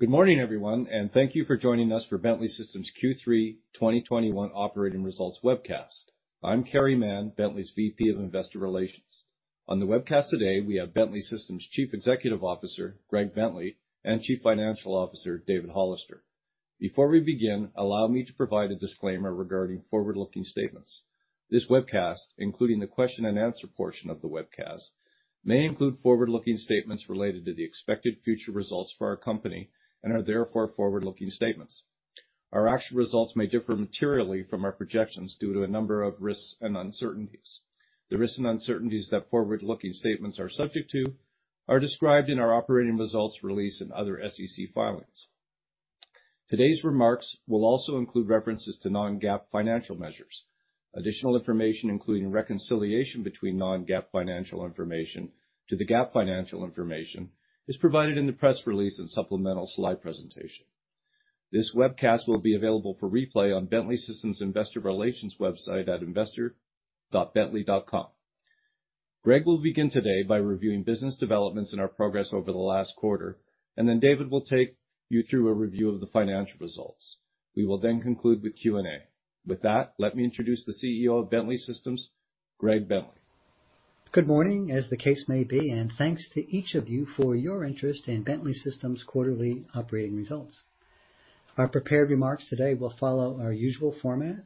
Good morning, everyone, and thank you for joining us for Bentley Systems Q3 2021 operating results webcast. I'm Carey Mann, Bentley's VP of Investor Relations. On the webcast today, we have Bentley Systems Chief Executive Officer, Greg Bentley, and Chief Financial Officer, David Hollister. Before we begin, allow me to provide a disclaimer regarding forward-looking statements. This webcast, including the question and answer portion of the webcast, may include forward-looking statements related to the expected future results for our company and are therefore forward-looking statements. Our actual results may differ materially from our projections due to a number of risks and uncertainties. The risks and uncertainties that forward-looking statements are subject to are described in our operating results release and other SEC filings. Today's remarks will also include references to non-GAAP financial measures. Additional information, including reconciliation between non-GAAP financial information to the GAAP financial information, is provided in the press release and supplemental slide presentation. This webcast will be available for replay on Bentley Systems investor relations website at investor.bentley.com. Greg will begin today by reviewing business developments and our progress over the last quarter, and then David will take you through a review of the financial results. We will then conclude with Q&A. With that, let me introduce the CEO of Bentley Systems, Greg Bentley. Good morning, as the case may be, and thanks to each of you for your interest in Bentley Systems quarterly operating results. Our prepared remarks today will follow our usual format,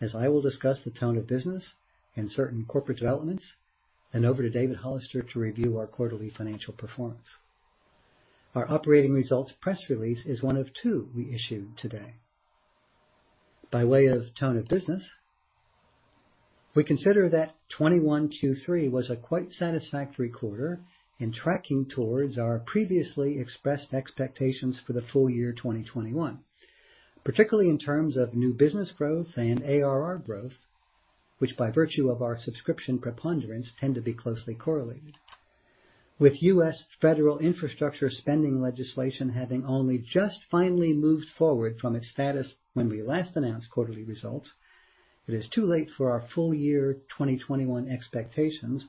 as I will discuss the tone of business and certain corporate developments. Over to David Hollister to review our quarterly financial performance. Our operating results press release is one of two we issued today. By way of tone of business, we consider that Q3 2021 was a quite satisfactory quarter in tracking towards our previously expressed expectations for the full year 2021, particularly in terms of new business growth and ARR growth, which, by virtue of our subscription preponderance, tend to be closely correlated. With U.S. federal infrastructure spending legislation having only just finally moved forward from its status when we last announced quarterly results, it is too late for our full year 2021 expectations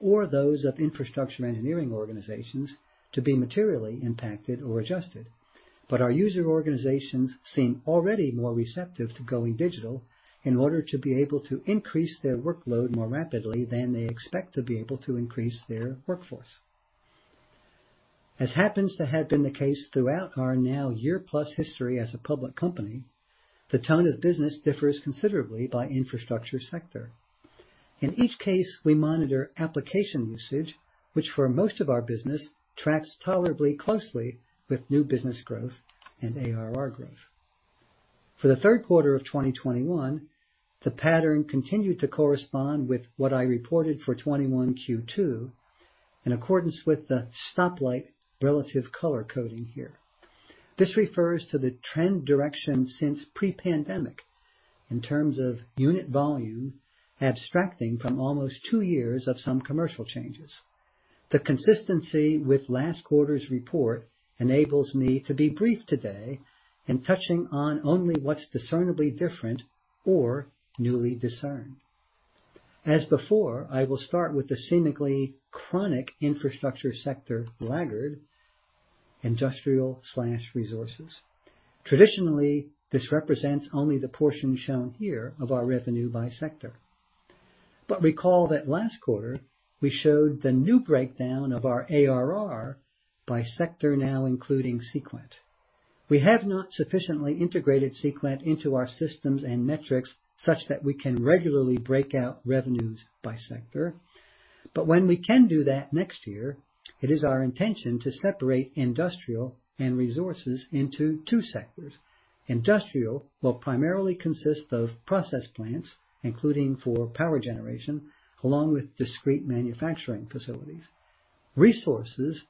or those of infrastructure engineering organizations to be materially impacted or adjusted. Our user organizations seem already more receptive to going digital in order to be able to increase their workload more rapidly than they expect to be able to increase their workforce. As happens to have been the case throughout our now year-plus history as a public company, the tone of business differs considerably by infrastructure sector. In each case, we monitor application usage, which, for most of our business, tracks tolerably closely with new business growth and ARR growth. For the third quarter of 2021, the pattern continued to correspond with what I reported for 2021 Q2 in accordance with the stoplight relative color coding here. This refers to the trend direction since pre-pandemic in terms of unit volume, abstracting from almost two years of some commercial changes. The consistency with last quarter's report enables me to be brief today in touching on only what's discernibly different or newly discerned. As before, I will start with the seemingly chronic infrastructure sector laggard, industrial/resources. Traditionally, this represents only the portion shown here of our revenue by sector. Recall that last quarter, we showed the new breakdown of our ARR by sector now including Seequent. We have not sufficiently integrated Seequent into our systems and metrics such that we can regularly break out revenues by sector. When we can do that next year, it is our intention to separate industrial and resources into two sectors. Industrial will primarily consist of process plants, including for power generation, along with discrete manufacturing facilities. Resources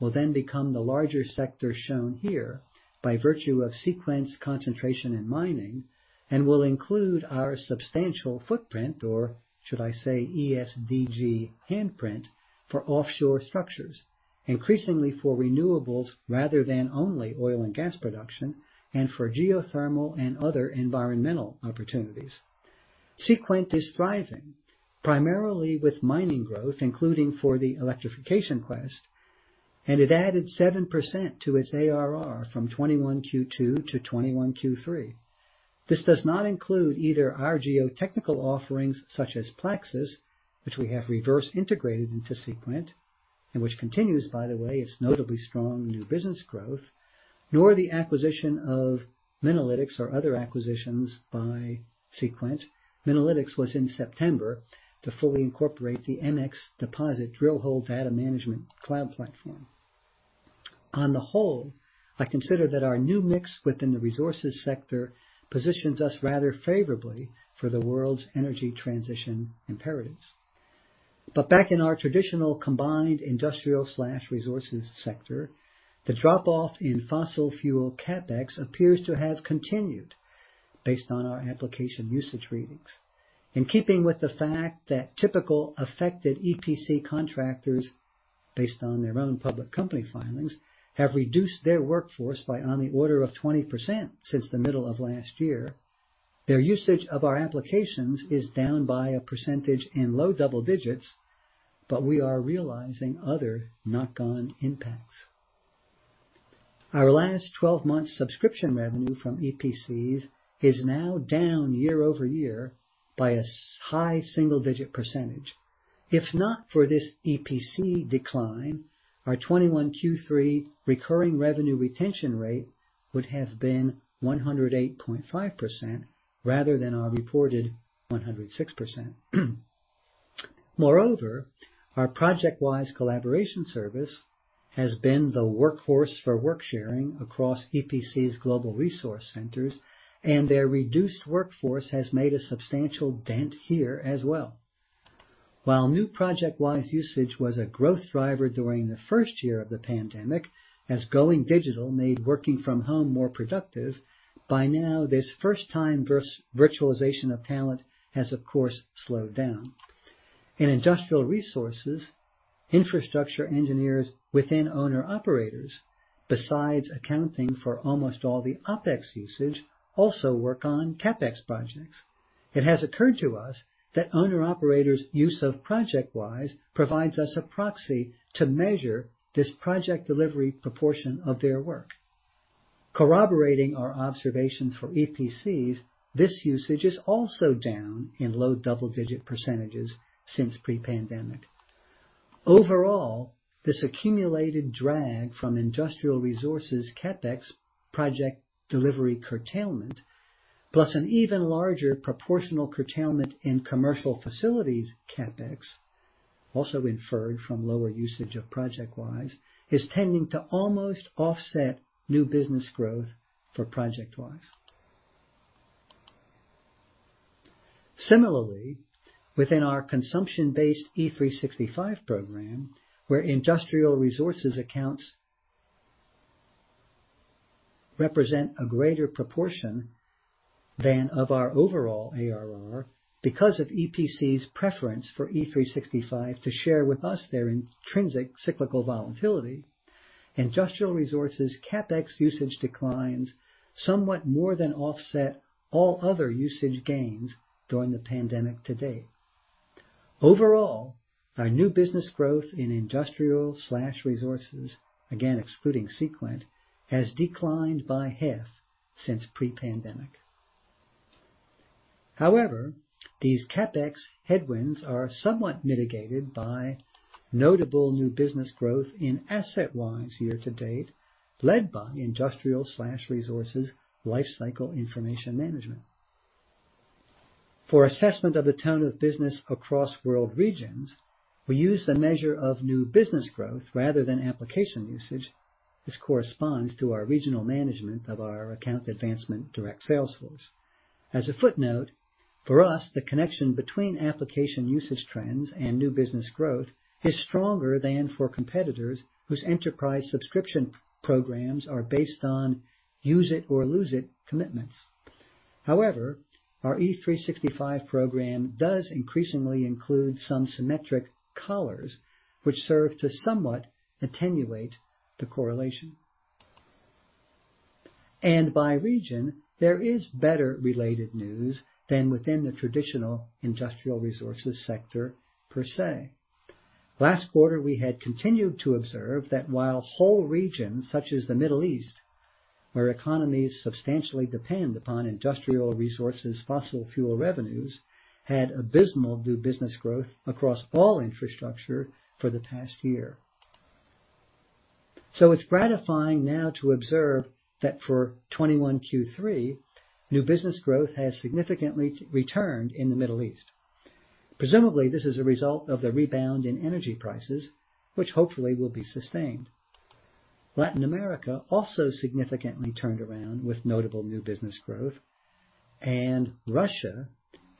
will then become the larger sector shown here by virtue of Seequent's concentration in mining and will include our substantial footprint, or should I say ESG handprint, for offshore structures, increasingly for renewables rather than only oil and gas production, and for geothermal and other environmental opportunities. Seequent is thriving primarily with mining growth, including for the electrification quest, and it added 7% to its ARR from 2021 Q2 to 2021 Q3. This does not include either our geotechnical offerings such as PLAXIS, which we have reverse integrated into Seequent, and which continues, by the way, its notably strong new business growth, nor the acquisition of Minalytix or other acquisitions by Seequent. Minalytix was acquired in September to fully incorporate the MX Deposit drill hole data management cloud platform. On the whole, I consider that our new mix within the resources sector positions us rather favorably for the world's energy transition imperatives. Back in our traditional combined industrial/resources sector, the drop-off in fossil fuel CapEx appears to have continued based on our application usage readings. In keeping with the fact that typical affected EPC contractors, based on their own public company filings, have reduced their workforce by on the order of 20% since the middle of last year. Their usage of our applications is down by a low double-digits. We are realizing other knock-on impacts. Our last 12 months subscription revenue from EPCs is now down year-over-year by a high single-digit percent. If not for this EPC decline, our 2021 Q3 recurring revenue retention rate would have been 108.5% rather than our reported 106%. Moreover, our ProjectWise collaboration service has been the workhorse for work sharing across EPCs' global resource centers, and their reduced workforce has made a substantial dent here as well. While new ProjectWise usage was a growth driver during the first year of the pandemic, as going digital made working from home more productive, by now this first time virtualization of talent has of course slowed down. In industrial resources, infrastructure engineers within owner operators, besides accounting for almost all the OpEx usage, also work on CapEx projects. It has occurred to us that owner operators' use of ProjectWise provides us a proxy to measure this project delivery proportion of their work. Corroborating our observations for EPCs, this usage is also down in low double-digit % since pre-pandemic. Overall, this accumulated drag from industrial resources CapEx project delivery curtailment, plus an even larger proportional curtailment in commercial facilities CapEx, also inferred from lower usage of ProjectWise, is tending to almost offset new business growth for ProjectWise. Similarly, within our consumption-based E365 program, where industrial resources accounts represent a greater proportion than that of our overall ARR because of EPCs preference for E365 to share with us their intrinsic cyclical volatility, industrial resources CapEx usage declines somewhat more than offset all other usage gains during the pandemic to date. Overall, our new business growth in industrial/resources, again excluding Seequent, has declined by half since pre-pandemic. However, these CapEx headwinds are somewhat mitigated by notable new business growth in AssetWise year to date, led by industrial/resources lifecycle information management. For assessment of the tone of business across world regions, we use the measure of new business growth rather than application usage. This corresponds to our regional management of our account advancement direct sales force. As a footnote, for us, the connection between application usage trends and new business growth is stronger than for competitors whose enterprise subscription programs are based on use it or lose it commitments. However, our E365 program does increasingly include some symmetric collars which serve to somewhat attenuate the correlation. By region, there is better related news than within the traditional industrial resources sector per se. Last quarter, we had continued to observe that while whole regions such as the Middle East, where economies substantially depend upon industrial resources fossil fuel revenues, had abysmal new business growth across all infrastructure for the past year. It's gratifying now to observe that for 2021 Q3, new business growth has significantly returned in the Middle East. Presumably, this is a result of the rebound in energy prices, which hopefully will be sustained. Latin America also significantly turned around with notable new business growth. Russia,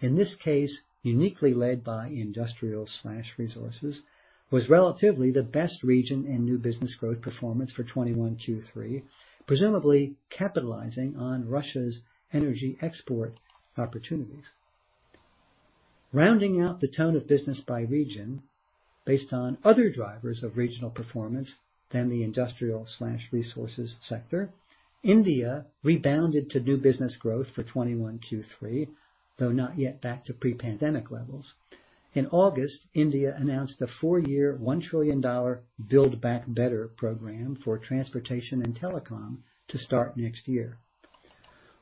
in this case, uniquely led by industrial/resources, was relatively the best region in new business growth performance for 2021 Q3, presumably capitalizing on Russia's energy export opportunities. Rounding out the tone of business by region based on other drivers of regional performance than the industrial/resources sector, India rebounded to new business growth for 2021 Q3, though not yet back to pre-pandemic levels. In August, India announced a four-year, $1 trillion Build Back Better program for transportation and telecom to start next year.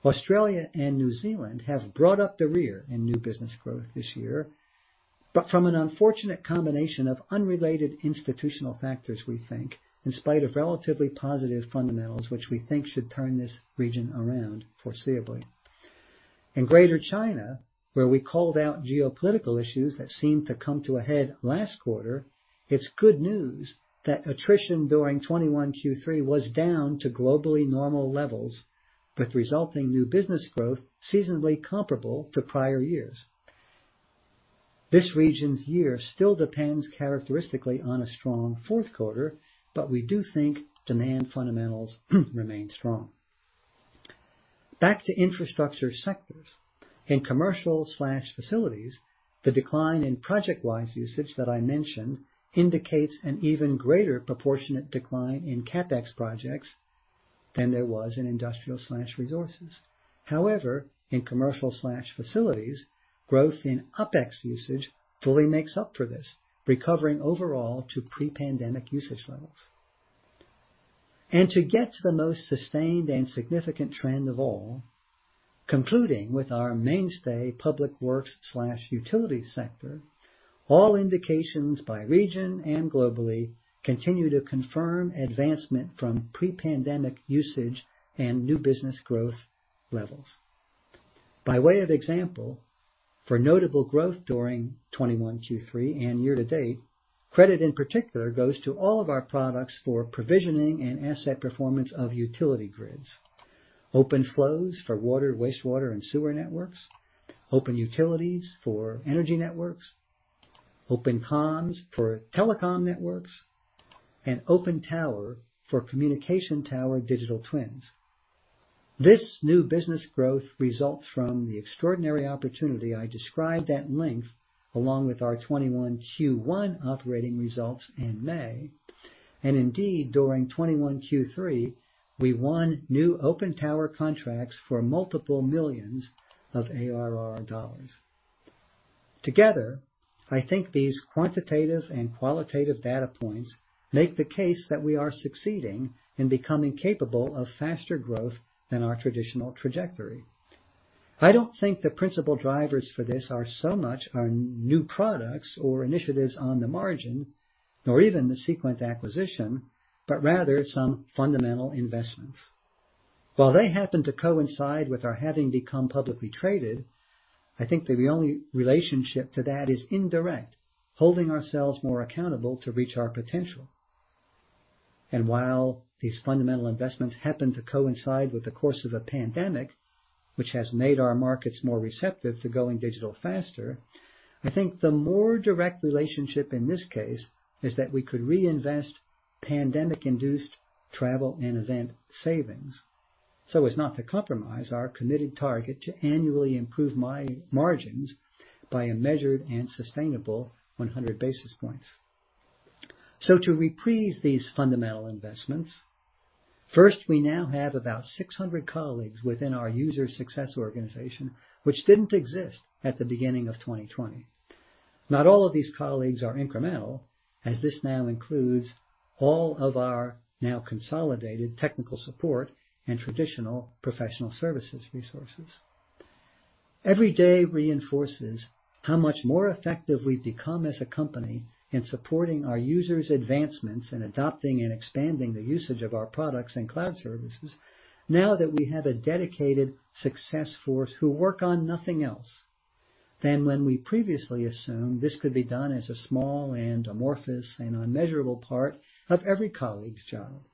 Australia and New Zealand have brought up the rear in new business growth this year, but from an unfortunate combination of unrelated institutional factors, we think, in spite of relatively positive fundamentals, which we think should turn this region around foreseeably. In Greater China, where we called out geopolitical issues that seemed to come to a head last quarter, it's good news that attrition during 2021 Q3 was down to globally normal levels, with resulting new business growth seasonally comparable to prior years. This region's year still depends characteristically on a strong fourth quarter, but we do think demand fundamentals remain strong. Back to infrastructure sectors. In commercial/facilities, the decline in ProjectWise usage that I mentioned indicates an even greater proportionate decline in CapEx projects than there was in industrial/resources. However, in commercial/facilities, growth in OpEx usage fully makes up for this, recovering overall to pre-pandemic usage levels. To get to the most sustained and significant trend of all, concluding with our mainstay public works/utilities sector, all indications by region and globally continue to confirm advancement from pre-pandemic usage and new business growth levels. By way of example, for notable growth during 2021 Q3 and year to date, credit in particular goes to all of our products for provisioning and asset performance of utility grids, OpenFlows for water, wastewater, and sewer networks, OpenUtilities for energy networks, OpenComms for telecom networks, OpenTower for communication tower digital twins. This new business growth results from the extraordinary opportunity I described at length along with our 2021 Q1 operating results in May. Indeed, during 2021 Q3, we won new OpenTower contracts for $ multiple millions of ARR. Together, I think these quantitative and qualitative data points make the case that we are succeeding in becoming capable of faster growth than our traditional trajectory. I don't think the principal drivers for this are so much our new products or initiatives on the margin, nor even the Seequent acquisition, but rather some fundamental investments. While they happen to coincide with our having become publicly traded, I think the only relationship to that is indirect, holding ourselves more accountable to reach our potential. While these fundamental investments happen to coincide with the course of a pandemic, which has made our markets more receptive to going digital faster, I think the more direct relationship in this case is that we could reinvest pandemic-induced travel and event savings, so as not to compromise our committed target to annually improve my margins by a measured and sustainable 100 basis points. To reprise these fundamental investments, first, we now have about 600 colleagues within our user success organization, which didn't exist at the beginning of 2020. Not all of these colleagues are incremental, as this now includes all of our now consolidated technical support and traditional professional services resources. Every day reinforces how much more effective we've become as a company in supporting our users' advancements in adopting and expanding the usage of our products and cloud services now that we have a dedicated success force who work on nothing else than when we previously assumed this could be done as a small and amorphous and unmeasurable part of every colleague's job.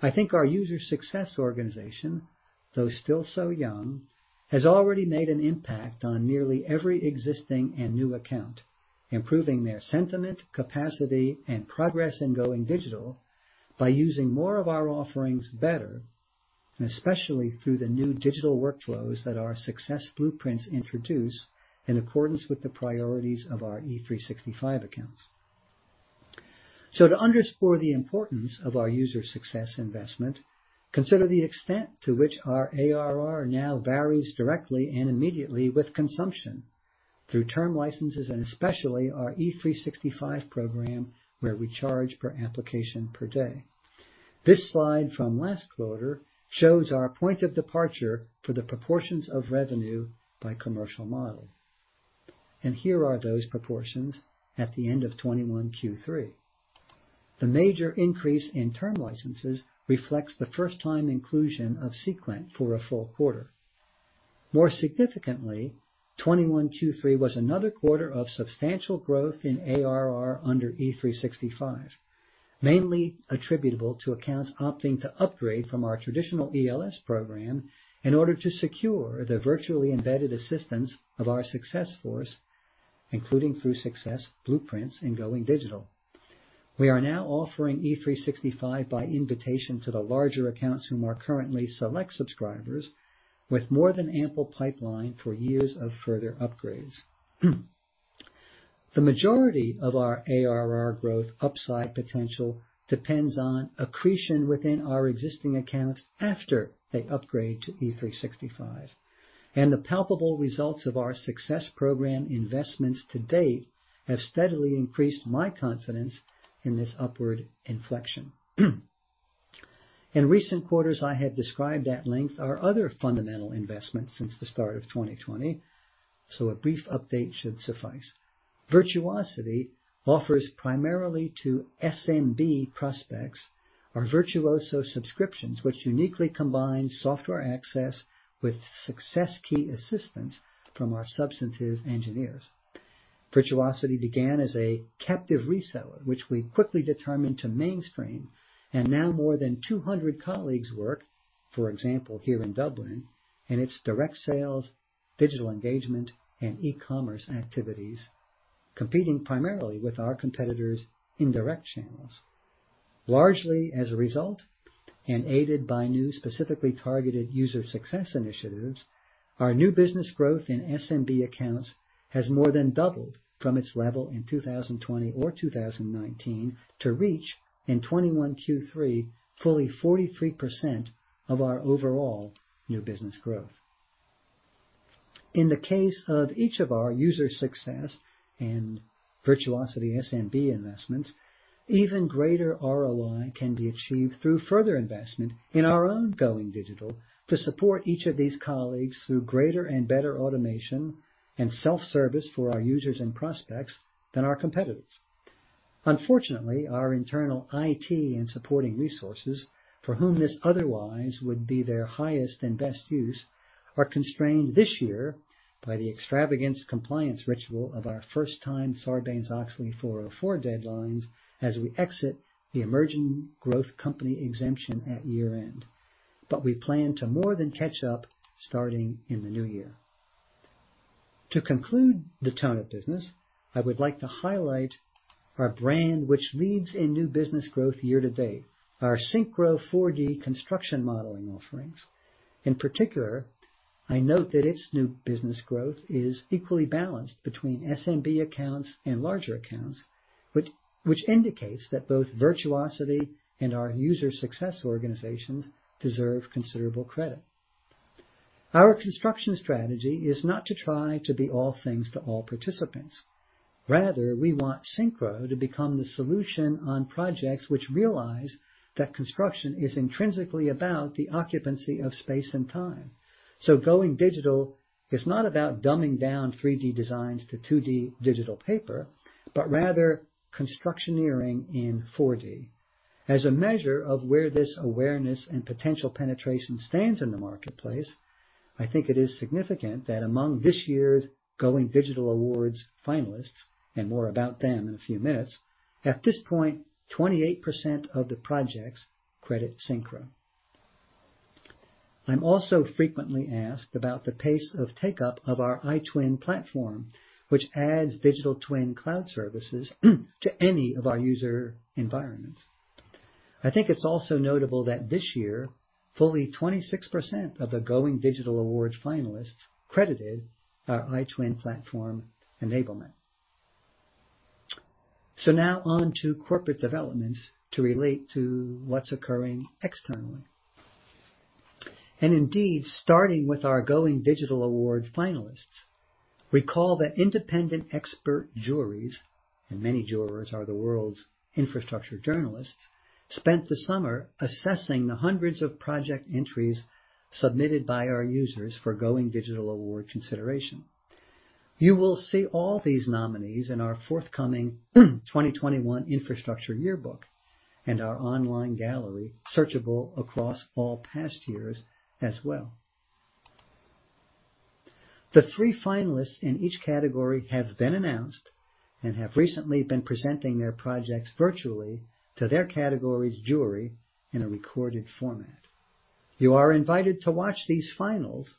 I think our user success organization, though still so young, has already made an impact on nearly every existing and new account, improving their sentiment, capacity, and progress in going digital by using more of our offerings better, and especially through the new digital workflows that our success blueprints introduce in accordance with the priorities of our E365 accounts. To underscore the importance of our user success investment, consider the extent to which our ARR now varies directly and immediately with consumption through term licenses and especially our E365 program, where we charge per application per day. This slide from last quarter shows our point of departure for the proportions of revenue by commercial model. Here are those proportions at the end of 2021 Q3. The major increase in term licenses reflects the first time inclusion of Seequent for a full quarter. More significantly, 2021 Q3 was another quarter of substantial growth in ARR under E365, mainly attributable to accounts opting to upgrade from our traditional ELS program in order to secure the virtually embedded assistance of our success force, including through success blueprints in going digital. We are now offering E365 by invitation to the larger accounts whom are currently select subscribers with more than ample pipeline for years of further upgrades. The majority of our ARR growth upside potential depends on accretion within our existing accounts after they upgrade to E365. The palpable results of our success program investments to date have steadily increased my confidence in this upward inflection. In recent quarters, I have described at length our other fundamental investments since the start of 2020, so a brief update should suffice. Virtuosity offers primarily to SMB prospects our Virtuoso subscriptions, which uniquely combine software access with success key assistance from our substantive engineers. Virtuosity began as a captive reseller, which we quickly determined to mainstream. Now more than 200 colleagues work, for example, here in Dublin, in its direct sales, digital engagement, and e-commerce activities, competing primarily with our competitors' indirect channels. Largely as a result, and aided by new specifically targeted user success initiatives, our new business growth in SMB accounts has more than doubled from its level in 2020 or 2019 to reach in 2021 Q3 fully 43% of our overall new business growth. In the case of each of our user success and Virtuosity SMB investments, even greater ROI can be achieved through further investment in our own going digital to support each of these colleagues through greater and better automation and self-service for our users and prospects than our competitors. Unfortunately, our internal IT and supporting resources, for whom this otherwise would be their highest and best use, are constrained this year by the extravagant compliance ritual of our first-time Sarbanes-Oxley 404 deadlines as we exit the emerging growth company exemption at year-end. We plan to more than catch up starting in the new year. To conclude the tone of business, I would like to highlight our brand which leads in new business growth year to date, our SYNCHRO 4D construction modeling offerings. In particular, I note that its new business growth is equally balanced between SMB accounts and larger accounts, which indicates that both Virtuosity and our user success organizations deserve considerable credit. Our construction strategy is not to try to be all things to all participants. Rather, we want SYNCHRO to become the solution on projects which realize that construction is intrinsically about the occupancy of space and time. Going digital is not about dumbing down 3D designs to 2D digital paper, but rather constructioneering in 4D. As a measure of where this awareness and potential penetration stands in the marketplace, I think it is significant that among this year's Going Digital Awards finalists, and more about them in a few minutes, at this point, 28% of the projects credit SYNCHRO. I'm also frequently asked about the pace of take-up of our iTwin platform, which adds digital twin cloud services to any of our user environments. I think it's also notable that this year, fully 26% of the Going Digital Awards finalists credited our iTwin platform enablement. Now on to corporate developments to relate to what's occurring externally. Indeed, starting with our Going Digital Awards finalists, recall that independent expert juries, and many jurors are the world's infrastructure journalists, spent the summer assessing the hundreds of project entries submitted by our users for Going Digital Awards consideration. You will see all these nominees in our forthcoming 2021 infrastructure yearbook and our online gallery, searchable across all past years as well. The three finalists in each category have been announced and have recently been presenting their projects virtually to their category's jury in a recorded format. You are invited to watch these finals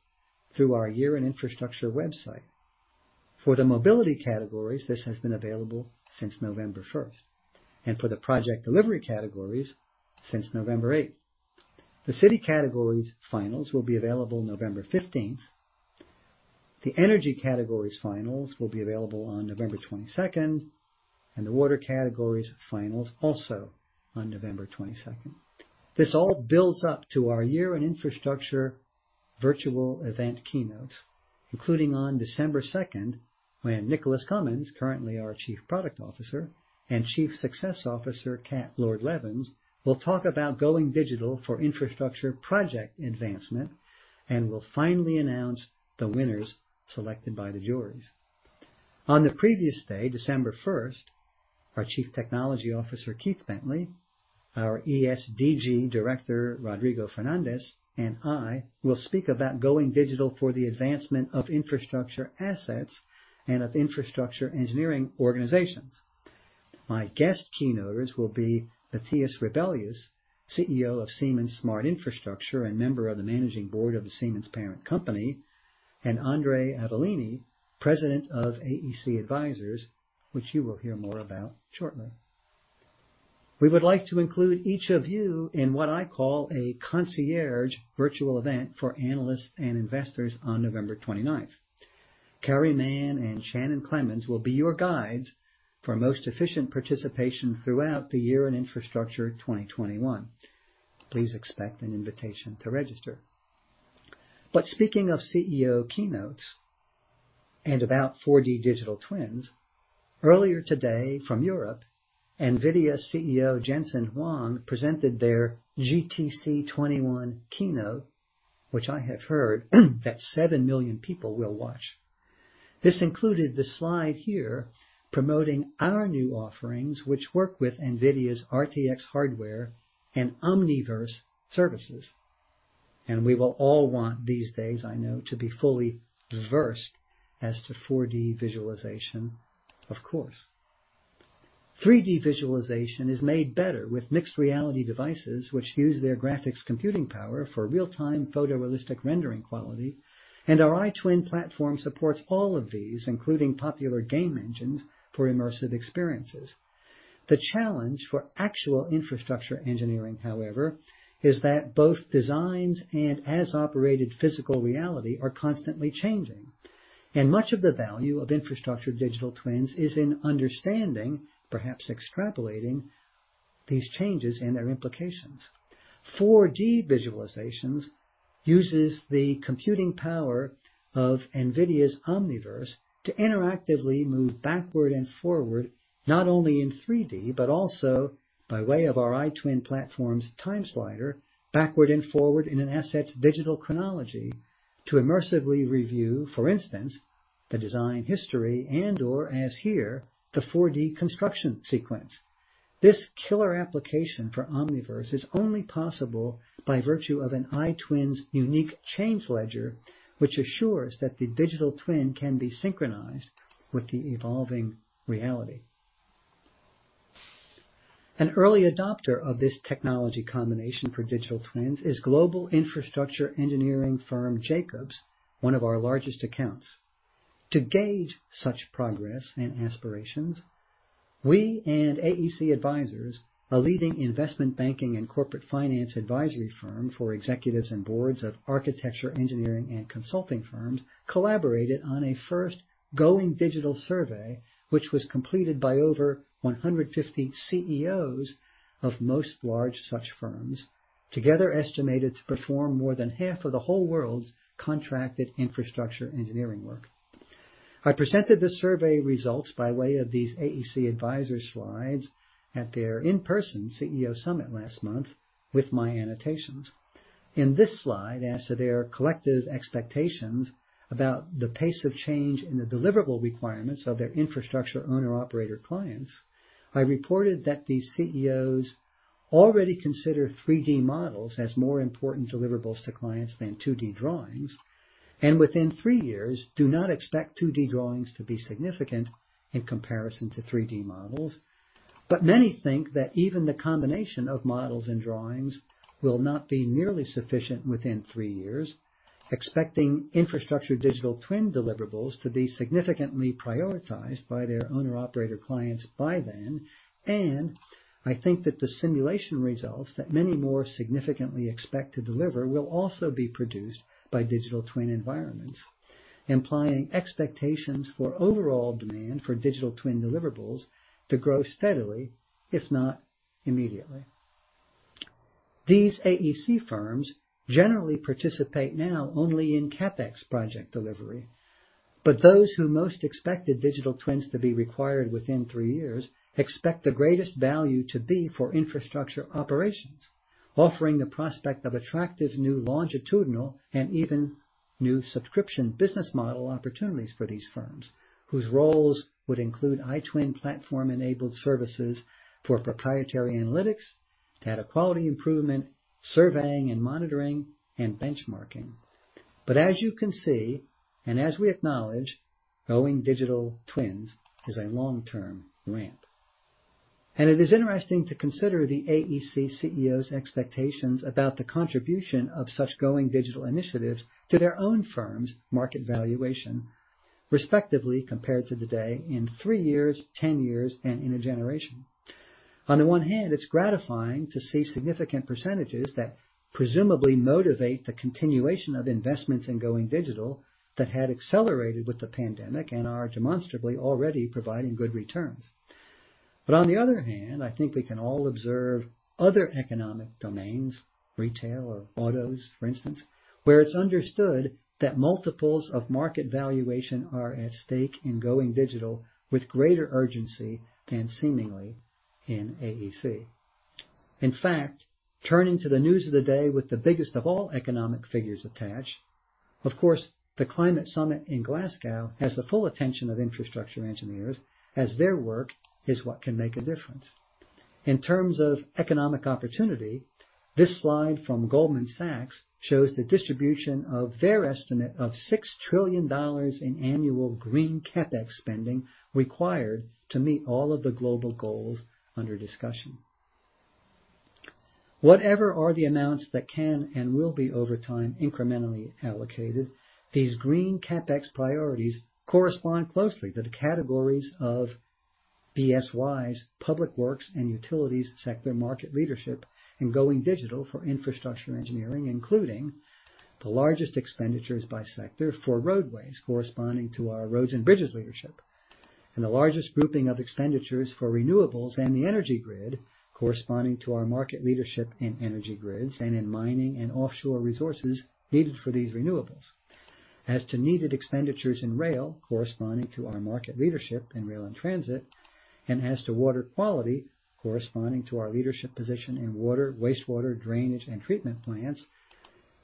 through our Year in Infrastructure website. For the mobility categories, this has been available since November 1, and for the project delivery categories, since November 8. The city categories finals will be available November 15. The energy categories finals will be available on November 22, and the water categories finals also on November 22. This all builds up to our Year in Infrastructure virtual event keynotes, including on December 2, when Nicholas Cumins, currently our Chief Product Officer, and Chief Success Officer Katriona Lord-Levins, will talk about going digital for infrastructure project advancement, and will finally announce the winners selected by the juries. On the previous day, December 1, our Chief Technology Officer, Keith Bentley, our ES(D)G Director, Rodrigo Fernandes, and I will speak about going digital for the advancement of infrastructure assets and of infrastructure engineering organizations. My guest keynoters will be Matthias Rebellius, CEO of Siemens Smart Infrastructure and member of the managing board of the Siemens parent company, and Andre Avelini, president of AEC Advisors, which you will hear more about shortly. We would like to include each of you in what I call a concierge virtual event for analysts and investors on November 29th. Carey Mann and Shannon Clemons will be your guides for most efficient participation throughout the Year in Infrastructure 2021. Please expect an invitation to register. Speaking of CEO keynotes and about 4D digital twins, earlier today from Europe, NVIDIA CEO Jensen Huang presented their GTC 2021 keynote, which I have heard that 7 million people will watch. This included the slide here promoting our new offerings, which work with NVIDIA's RTX hardware and Omniverse services. We will all want these days, I know, to be fully versed as to 4D visualization, of course. 3D visualization is made better with mixed reality devices which use their graphics computing power for real-time photorealistic rendering quality, and our iTwin platform supports all of these, including popular game engines for immersive experiences. The challenge for actual infrastructure engineering, however, is that both designs and as-operated physical reality are constantly changing, and much of the value of infrastructure digital twins is in understanding, perhaps extrapolating, these changes and their implications. 4D visualizations uses the computing power of NVIDIA's Omniverse to interactively move backward and forward, not only in 3D, but also by way of our iTwin platform's time slider, backward and forward in an asset's digital chronology to immersively review, for instance, the design history and/or as here, the 4D construction sequence. This killer application for Omniverse is only possible by virtue of an iTwin's unique change ledger, which assures that the digital twin can be synchronized with the evolving reality. An early adopter of this technology combination for digital twins is global infrastructure engineering firm Jacobs, one of our largest accounts. To gauge such progress and aspirations, we and AEC Advisors, a leading investment banking and corporate finance advisory firm for executives and boards of architecture, engineering, and consulting firms, collaborated on a first going digital survey, which was completed by over 150 CEOs of most large such firms, together estimated to perform more than half of the whole world's contracted infrastructure engineering work. I presented the survey results by way of these AEC Advisors slides at their in-person CEO summit last month with my annotations. In this slide, as to their collective expectations about the pace of change in the deliverable requirements of their infrastructure owner/operator clients, I reported that these CEOs already consider 3D models as more important deliverables to clients than 2D drawings, and within three years, do not expect 2D drawings to be significant in comparison to 3D models. Many think that even the combination of models and drawings will not be nearly sufficient within three years, expecting infrastructure digital twin deliverables to be significantly prioritized by their owner/operator clients by then. I think that the simulation results that many more significantly expect to deliver will also be produced by digital twin environments, implying expectations for overall demand for digital twin deliverables to grow steadily, if not immediately. These AEC firms generally participate now only in CapEx project delivery. Those who most expected digital twins to be required within three years expect the greatest value to be for infrastructure operations, offering the prospect of attractive new longitudinal and even new subscription business model opportunities for these firms, whose roles would include iTwin platform-enabled services for proprietary analytics, data quality improvement, surveying and monitoring, and benchmarking. As you can see, and as we acknowledge, going digital twins is a long-term ramp. It is interesting to consider the AEC CEOs' expectations about the contribution of such going digital initiatives to their own firm's market valuation, respectively, compared to today in three years, 10 years, and in a generation. On the one hand, it's gratifying to see significant percentages that presumably motivate the continuation of investments in going digital that had accelerated with the pandemic and are demonstrably already providing good returns. On the other hand, I think we can all observe other economic domains, retail or autos, for instance, where it's understood that multiples of market valuation are at stake in going digital with greater urgency than seemingly in AEC. In fact, turning to the news of the day with the biggest of all economic figures attached, of course, the Climate Summit in Glasgow has the full attention of infrastructure engineers as their work is what can make a difference. In terms of economic opportunity, this slide from Goldman Sachs shows the distribution of their estimate of $6 trillion in annual green CapEx spending required to meet all of the global goals under discussion. Whatever are the amounts that can and will be over time incrementally allocated, these green CapEx priorities correspond closely to the categories of BSY's public works and utilities sector market leadership in going digital for infrastructure engineering, including the largest expenditures by sector for roadways corresponding to our roads and bridges leadership, and the largest grouping of expenditures for renewables and the energy grid corresponding to our market leadership in energy grids and in mining and offshore resources needed for these renewables. As to needed expenditures in rail corresponding to our market leadership in rail and transit, and as to water quality corresponding to our leadership position in water, wastewater, drainage, and treatment plants,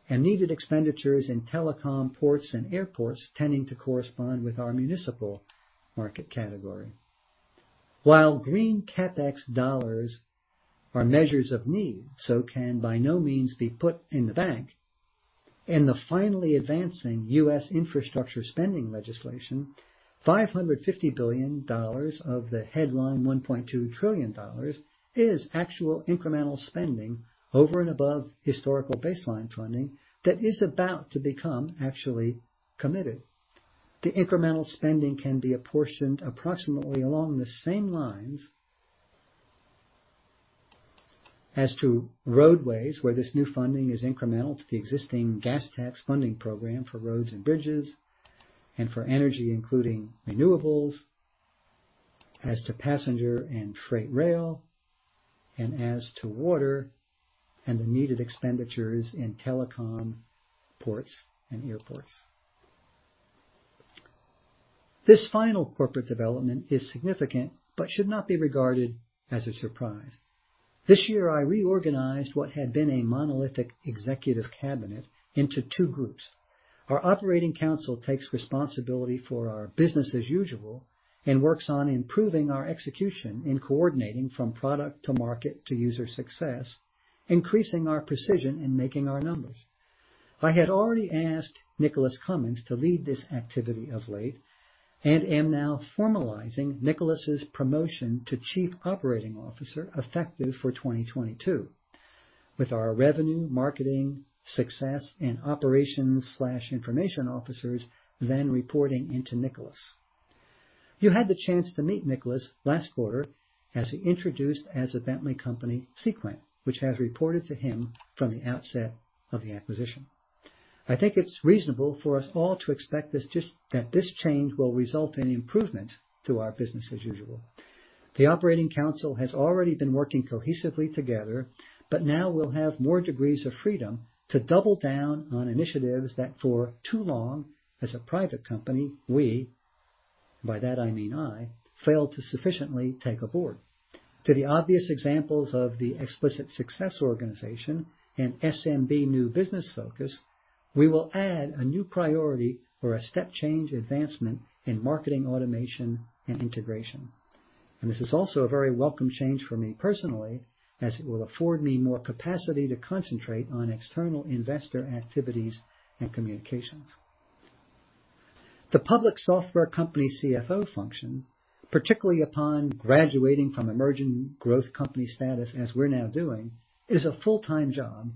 and needed expenditures in telecom, ports, and airports tending to correspond with our municipal market category. While green CapEx dollars are measures of need, so can by no means be put in the bank. In the finally advancing U.S. infrastructure spending legislation, $550 billion of the headline $1.2 trillion is actual incremental spending over and above historical baseline funding that is about to become actually committed. The incremental spending can be apportioned approximately along the same lines as to roadways, where this new funding is incremental to the existing gas tax funding program for roads and bridges, and for energy, including renewables, as to passenger and freight rail, and as to water and the needed expenditures in telecom, ports, and airports. This final corporate development is significant but should not be regarded as a surprise. This year, I reorganized what had been a monolithic executive cabinet into two groups. Our operating council takes responsibility for our business as usual and works on improving our execution in coordinating from product to market to user success, increasing our precision in making our numbers. I had already asked Nicholas Cumins to lead this activity of late and am now formalizing Nicholas's promotion to Chief Operating Officer, effective for 2022, with our revenue, marketing, success, and operations/information officers then reporting into Nicholas. You had the chance to meet Nicholas last quarter as he introduced Seequent as a Bentley company, which has reported to him from the outset of the acquisition. I think it's reasonable for us all to expect that this change will result in improvement to our business as usual. The operating council has already been working cohesively together, but now we'll have more degrees of freedom to double down on initiatives that for too long as a private company, we, by that I mean I, failed to sufficiently take on board. To the obvious examples of the explicit success organization and SMB new business focus, we will add a new priority or a step change advancement in marketing automation and integration. This is also a very welcome change for me personally, as it will afford me more capacity to concentrate on external investor activities and communications. The public software company CFO function, particularly upon graduating from emerging growth company status as we're now doing, is a full-time job,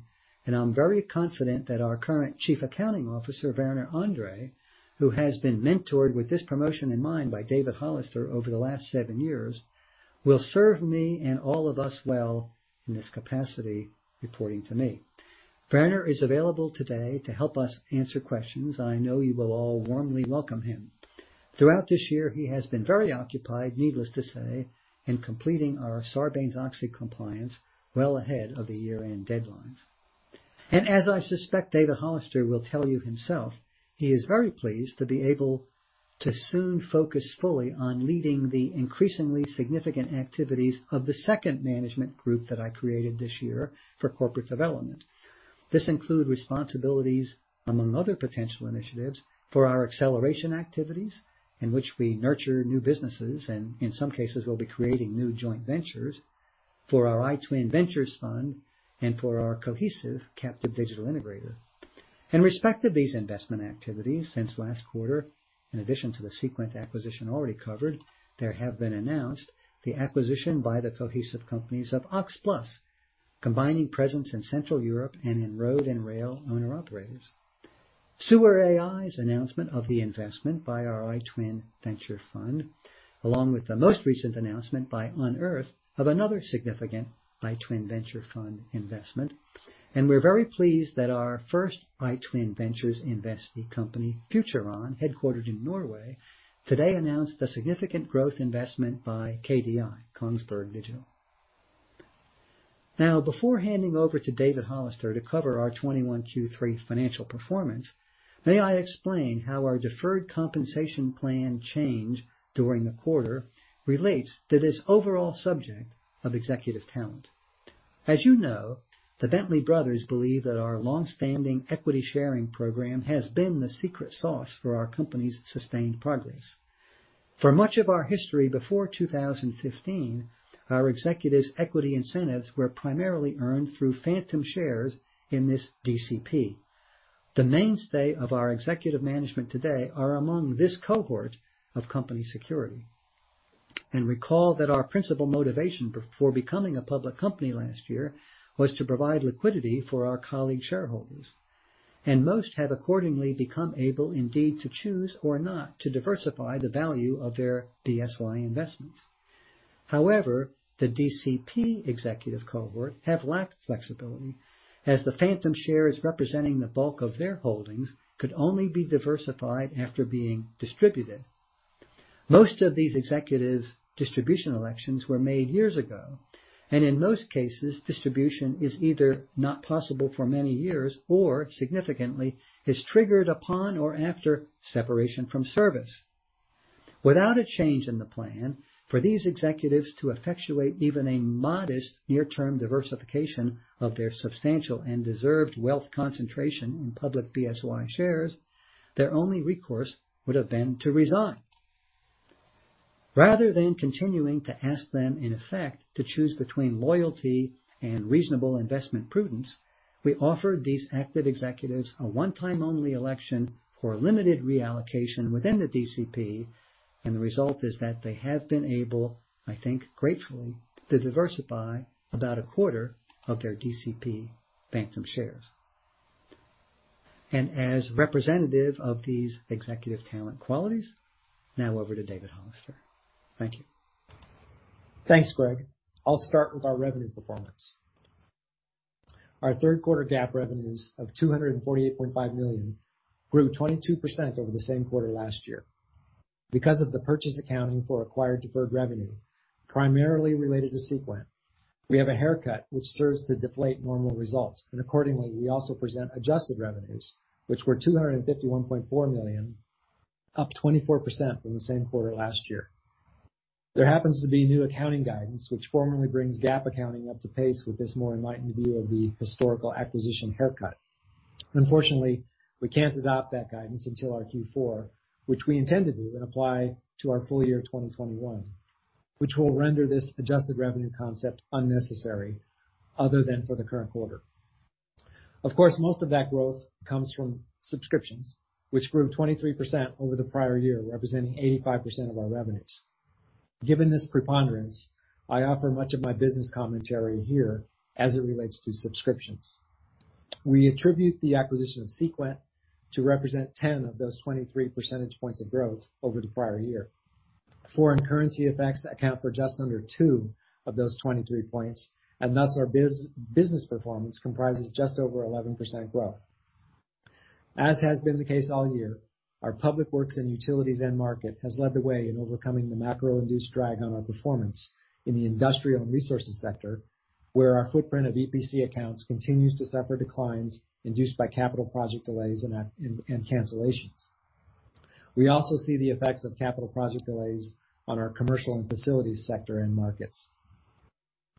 and I'm very confident that our current Chief Accounting Officer, Werner Andre, who has been mentored with this promotion in mind by David Hollister over the last seven years, will serve me and all of us well in this capacity, reporting to me. Werner is available today to help us answer questions. I know you will all warmly welcome him. Throughout this year, he has been very occupied, needless to say, in completing our Sarbanes-Oxley compliance well ahead of the year-end deadlines. As I suspect David Hollister will tell you himself, he is very pleased to be able to soon focus fully on leading the increasingly significant activities of the second management group that I created this year for corporate development. This includes responsibilities, among other potential initiatives, for our acceleration activities in which we nurture new businesses, and in some cases, we'll be creating new joint ventures for our iTwin Ventures fund and for our Cohesive captive digital integrator. In respect of these investment activities since last quarter, in addition to the Seequent acquisition already covered, there have been announced the acquisition by the Cohesive Companies of OXplus, combining presence in Central Europe and in road and rail owner-operators. SewerAI's announcement of the investment by our iTwin Ventures fund, along with the most recent announcement by Unearth of another significant iTwin Ventures fund investment. We're very pleased that our first iTwin Ventures investee company, FutureOn, headquartered in Norway, today announced a significant growth investment by KDI, Kongsberg Digital. Now, before handing over to David Hollister to cover our 2021 Q3 financial performance, may I explain how our deferred compensation plan changed during the quarter relates to this overall subject of executive talent. As you know, the Bentley brothers believe that our long-standing equity sharing program has been the secret sauce for our company's sustained progress. For much of our history before 2015, our executives' equity incentives were primarily earned through phantom shares in this DCP. The mainstay of our executive management today are among this cohort of company securities. Recall that our principal motivation for becoming a public company last year was to provide liquidity for our colleague shareholders, and most have accordingly become able indeed to choose or not to diversify the value of their BSY investments. However, the DCP executive cohort have lacked flexibility as the phantom shares representing the bulk of their holdings could only be diversified after being distributed. Most of these executives' distribution elections were made years ago, and in most cases, distribution is either not possible for many years or significantly is triggered upon or after separation from service. Without a change in the plan for these executives to effectuate even a modest near-term diversification of their substantial and deserved wealth concentration in public BSY shares, their only recourse would have been to resign. Rather than continuing to ask them in effect to choose between loyalty and reasonable investment prudence, we offer these active executives a one-time only election for limited reallocation within the DCP, and the result is that they have been able, I think, gratefully, to diversify about a quarter of their DCP phantom shares. As representative of these executive talent qualities, now over to David Hollister. Thank you. Thanks, Greg. I'll start with our revenue performance. Our third quarter GAAP revenues of $248.5 million grew 22% over the same quarter last year. Because of the purchase accounting for acquired deferred revenue, primarily related to Seequent, we have a haircut which serves to deflate normal results, and accordingly, we also present adjusted revenues, which were $251.4 million, up 24% from the same quarter last year. There happens to be new accounting guidance, which formally brings GAAP accounting up to pace with this more enlightened view of the historical acquisition haircut. Unfortunately, we can't adopt that guidance until our Q4, which we intend to do and apply to our full year 2021, which will render this adjusted revenue concept unnecessary other than for the current quarter. Of course, most of that growth comes from subscriptions, which grew 23% over the prior year, representing 85% of our revenues. Given this preponderance, I offer much of my business commentary here as it relates to subscriptions. We attribute the acquisition of Seequent to represent 10 of those 23 percentage points of growth over the prior year. Foreign currency effects account for just under two of those 23 points, and thus our business performance comprises just over 11% growth. As has been the case all year, our public works and utilities end market has led the way in overcoming the macro-induced drag on our performance in the industrial and resources sector, where our footprint of EPC accounts continues to suffer declines induced by capital project delays and cancellations. We also see the effects of capital project delays on our commercial and facilities sector end markets.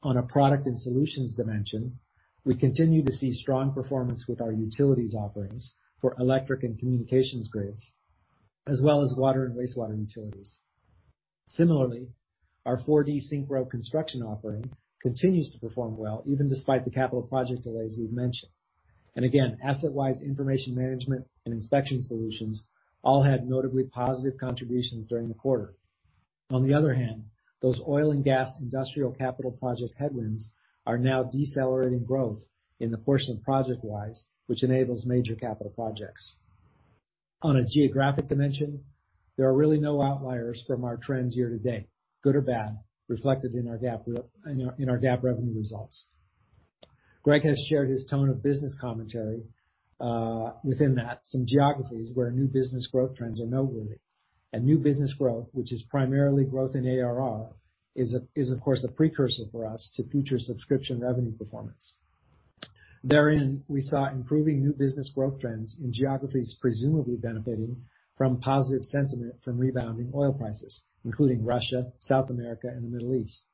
On a product and solutions dimension, we continue to see strong performance with our utilities offerings for electric and communications grids, as well as water and wastewater utilities. Similarly, our SYNCHRO 4D construction offering continues to perform well, even despite the capital project delays we've mentioned. Again, AssetWise information management and inspection solutions all had notably positive contributions during the quarter. On the other hand, those oil and gas industrial capital project headwinds are now decelerating growth in the portion of ProjectWise, which enables major capital projects. On a geographic dimension, there are really no outliers from our trends year to date, good or bad, reflected in our GAAP revenue results. Greg has shared his tone of business commentary, within that, some geographies where new business growth trends are noteworthy. New business growth, which is primarily growth in ARR, is of course a precursor for us to future subscription revenue performance. Therein, we saw improving new business growth trends in geographies presumably benefiting from positive sentiment from rebounding oil prices, including Russia, South America, and the Middle East.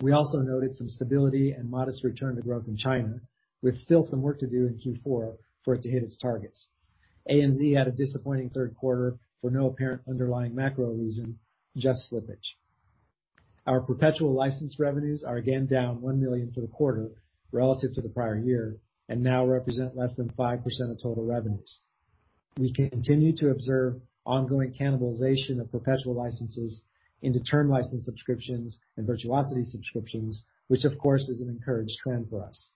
We also noted some stability and modest return to growth in China, with still some work to do in Q4 for it to hit its targets. ANZ had a disappointing third quarter for no apparent underlying macro reason, just slippage. Our perpetual license revenues are again down $1 million for the quarter relative to the prior year and now represent less than 5% of total revenues. We continue to observe ongoing cannibalization of perpetual licenses into term license subscriptions and Virtuosity subscriptions, which of course is an encouraged trend for us.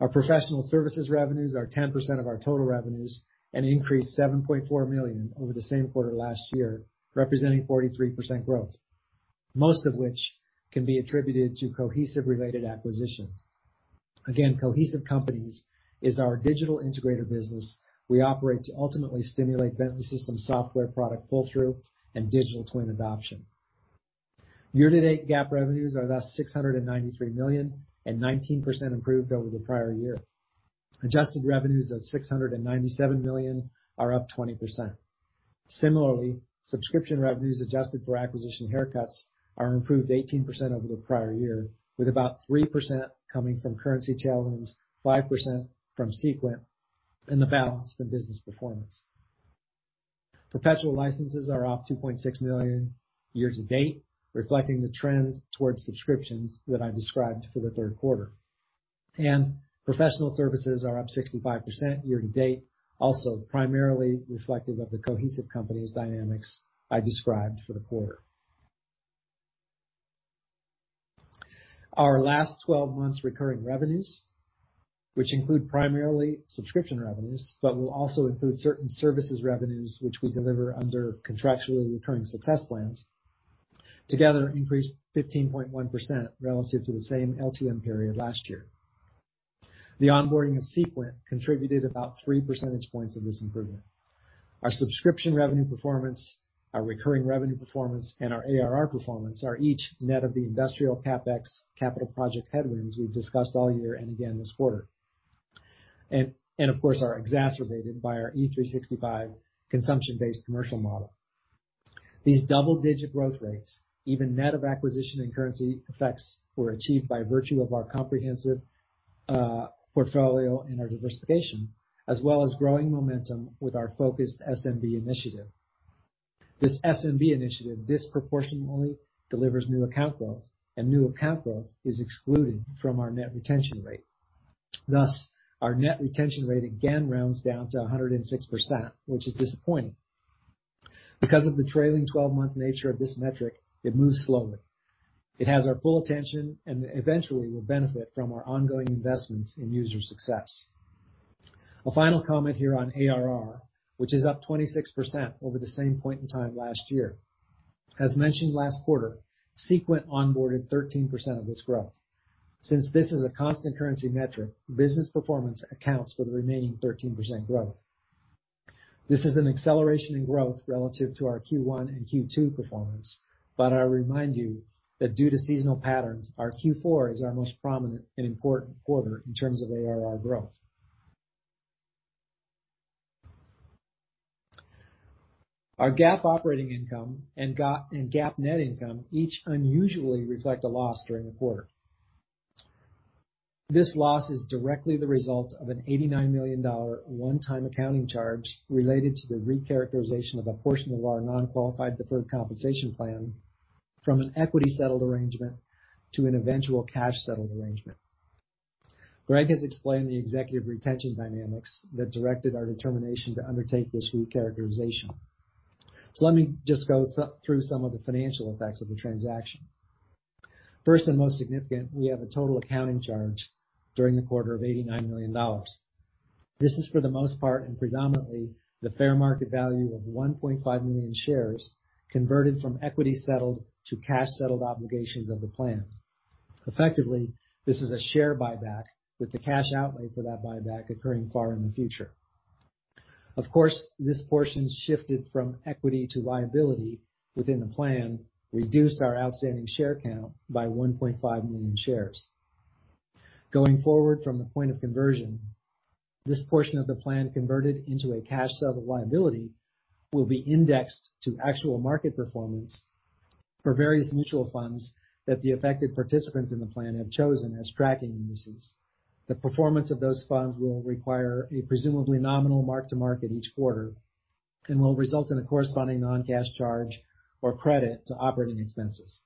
Our professional services revenues are 10% of our total revenues and increased $7.4 million over the same quarter last year, representing 43% growth, most of which can be attributed to Cohesive Companies-related acquisitions. Again, Cohesive Companies is our digital integrator business we operate to ultimately stimulate Bentley Systems software product pull-through and digital twin adoption. Year-to-date GAAP revenues are thus $693 million and 19% improved over the prior year. Adjusted revenues of $697 million are up 20%. Similarly, subscription revenues adjusted for acquisition haircuts are improved 18% over the prior year, with about 3% coming from currency tailwinds, 5% from Seequent, and the balance from business performance. Perpetual licenses are up $2.6 million year to date, reflecting the trend towards subscriptions that I described for the third quarter. Professional services are up 65% year to date, also primarily reflective of The Cohesive Companies' dynamics I described for the quarter. Our last 12 months recurring revenues, which include primarily subscription revenues, but will also include certain services revenues which we deliver under contractually recurring success plans, together increased 15.1% relative to the same LTM period last year. The onboarding of Seequent contributed about three percentage points of this improvement. Our subscription revenue performance, our recurring revenue performance, and our ARR performance are each net of the industrial CapEx capital project headwinds we've discussed all year and again this quarter, and of course, are exacerbated by our E365 consumption-based commercial model. These double-digit growth rates, even net of acquisition and currency effects, were achieved by virtue of our comprehensive portfolio and our diversification, as well as growing momentum with our focused SMB initiative. This SMB initiative disproportionately delivers new account growth, and new account growth is excluded from our net retention rate. Thus, our net retention rate again rounds down to 106%, which is disappointing. Because of the trailing twelve-month nature of this metric, it moves slowly. It has our full attention and eventually will benefit from our ongoing investments in user success. A final comment here on ARR, which is up 26% over the same point in time last year. As mentioned last quarter, Seequent onboarded 13% of this growth. Since this is a constant currency metric, business performance accounts for the remaining 13% growth. This is an acceleration in growth relative to our Q1 and Q2 performance, but I remind you that due to seasonal patterns, our Q4 is our most prominent and important quarter in terms of ARR growth. Our GAAP operating income and GAAP net income each unusually reflect a loss during the quarter. This loss is directly the result of an $89 million one-time accounting charge related to the recharacterization of a portion of our non-qualified deferred compensation plan from an equity-settled arrangement to an eventual cash-settled arrangement. Greg has explained the executive retention dynamics that directed our determination to undertake this recharacterization. Let me just go through some of the financial effects of the transaction. First and most significant, we have a total accounting charge during the quarter of $89 million. This is for the most part, and predominantly the fair market value of 1.5 million shares converted from equity settled to cash-settled obligations of the plan. Effectively, this is a share buyback with the cash outlay for that buyback occurring far in the future. Of course, this portion shifted from equity to liability within the plan reduced our outstanding share count by 1.5 million shares. Going forward from the point of conversion, this portion of the plan converted into a cash-settled liability will be indexed to actual market performance for various mutual funds that the affected participants in the plan have chosen as tracking indices. The performance of those funds will require a presumably nominal mark-to-market each quarter and will result in a corresponding non-cash charge or credit to operating expenses.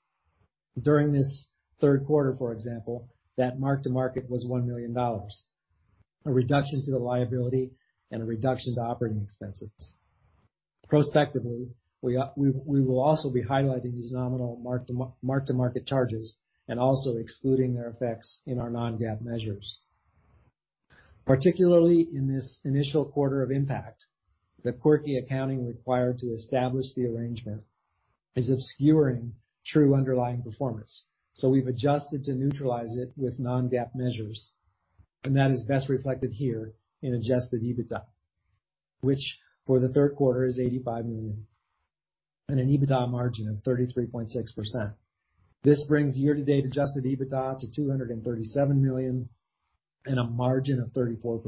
During this third quarter, for example, that mark to market was $1 million. A reduction to the liability and a reduction to operating expenses. Prospectively, we will also be highlighting these nominal mark-to-market charges and also excluding their effects in our non-GAAP measures. Particularly in this initial quarter of impact, the quirky accounting required to establish the arrangement is obscuring true underlying performance. We've adjusted to neutralize it with non-GAAP measures, and that is best reflected here in adjusted EBITDA, which for the third quarter is $85 million and an EBITDA margin of 33.6%. This brings year-to-date adjusted EBITDA to $237 million and a margin of 34%.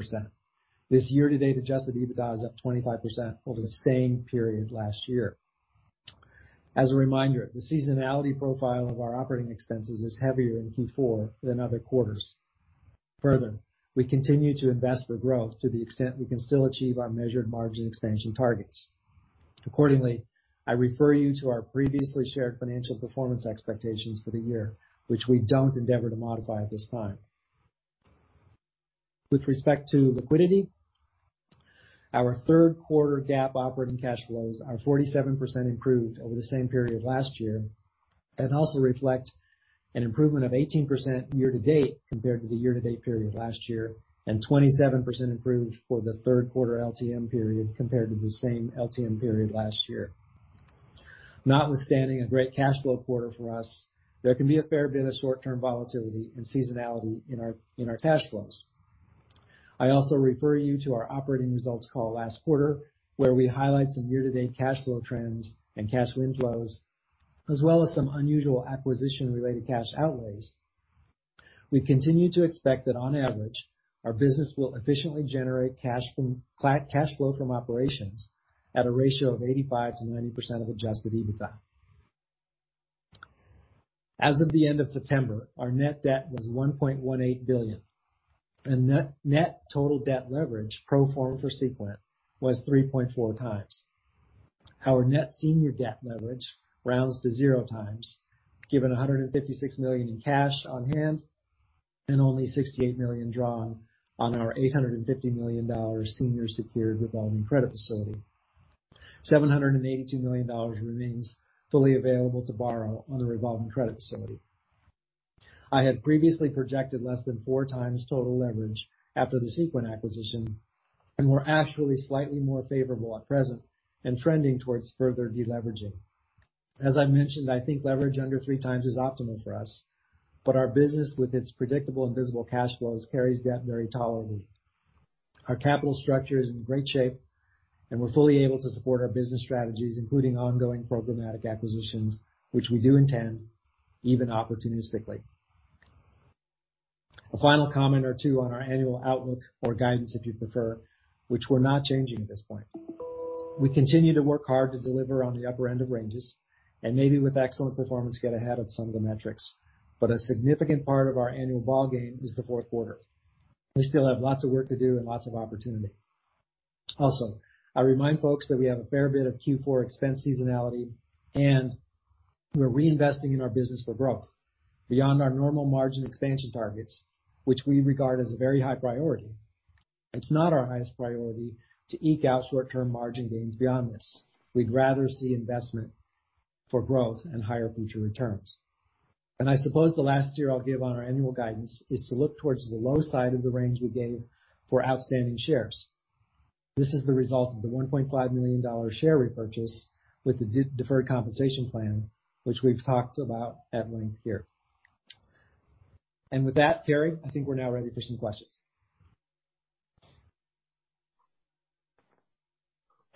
This year-to-date adjusted EBITDA is up 25% over the same period last year. As a reminder, the seasonality profile of our operating expenses is heavier in Q4 than other quarters. Further, we continue to invest for growth to the extent we can still achieve our measured margin expansion targets. Accordingly, I refer you to our previously shared financial performance expectations for the year, which we don't endeavor to modify at this time. With respect to liquidity, our third quarter GAAP operating cash flows are 47% improved over the same period last year and also reflect an improvement of 18% year-to-date compared to the year-to-date period last year, and 27% improved for the third quarter LTM period compared to the same LTM period last year. Notwithstanding a great cash flow quarter for us, there can be a fair bit of short-term volatility and seasonality in our cash flows. I also refer you to our operating results call last quarter, where we highlight some year-to-date cash flow trends and cash inflows, as well as some unusual acquisition-related cash outlays. We continue to expect that on average, our business will efficiently generate cash flow from operations at a ratio of 85%-90% of adjusted EBITDA. As of the end of September, our net debt was $1.18 billion, and net total debt leverage pro forma for Seequent was 3.4x. Our net senior debt leverage rounds to 0x, given $156 million in cash on hand and only $68 million drawn on our $850 million senior secured revolving credit facility. $782 million remains fully available to borrow on the revolving credit facility. I had previously projected less than 4x total leverage after the Seequent acquisition, and we're actually slightly more favorable at present and trending towards further deleveraging. As I mentioned, I think leverage under 3x is optimal for us, but our business with its predictable and visible cash flows carries debt very tolerably. Our capital structure is in great shape, and we're fully able to support our business strategies, including ongoing programmatic acquisitions, which we do intend even opportunistically. A final comment or two on our annual outlook or guidance, if you prefer, which we're not changing at this point. We continue to work hard to deliver on the upper end of ranges, and maybe with excellent performance, get ahead of some of the metrics. A significant part of our annual ballgame is the fourth quarter. We still have lots of work to do and lots of opportunity. Also, I remind folks that we have a fair bit of Q4 expense seasonality, and we're reinvesting in our business for growth beyond our normal margin expansion targets, which we regard as a very high priority. It's not our highest priority to eke out short-term margin gains beyond this. We'd rather see investment for growth and higher future returns. I suppose the last year I'll give on our annual guidance is to look towards the low side of the range we gave for outstanding shares. This is the result of the $1.5 million share repurchase with the deferred compensation plan, which we've talked about at length here. With that, Carey, I think we're now ready for some questions.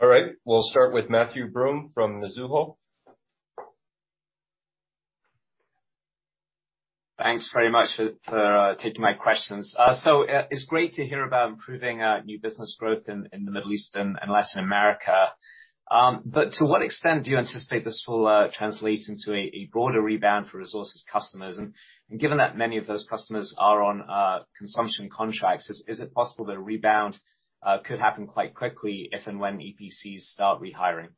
All right. We'll start with Matthew Broome from Mizuho. Thanks very much for taking my questions. It's great to hear about improving new business growth in the Middle East and Latin America. To what extent do you anticipate this will translate into a broader rebound for resources customers? Given that many of those customers are on consumption contracts, is it possible that a rebound could happen quite quickly if and when EPCs start rehiring?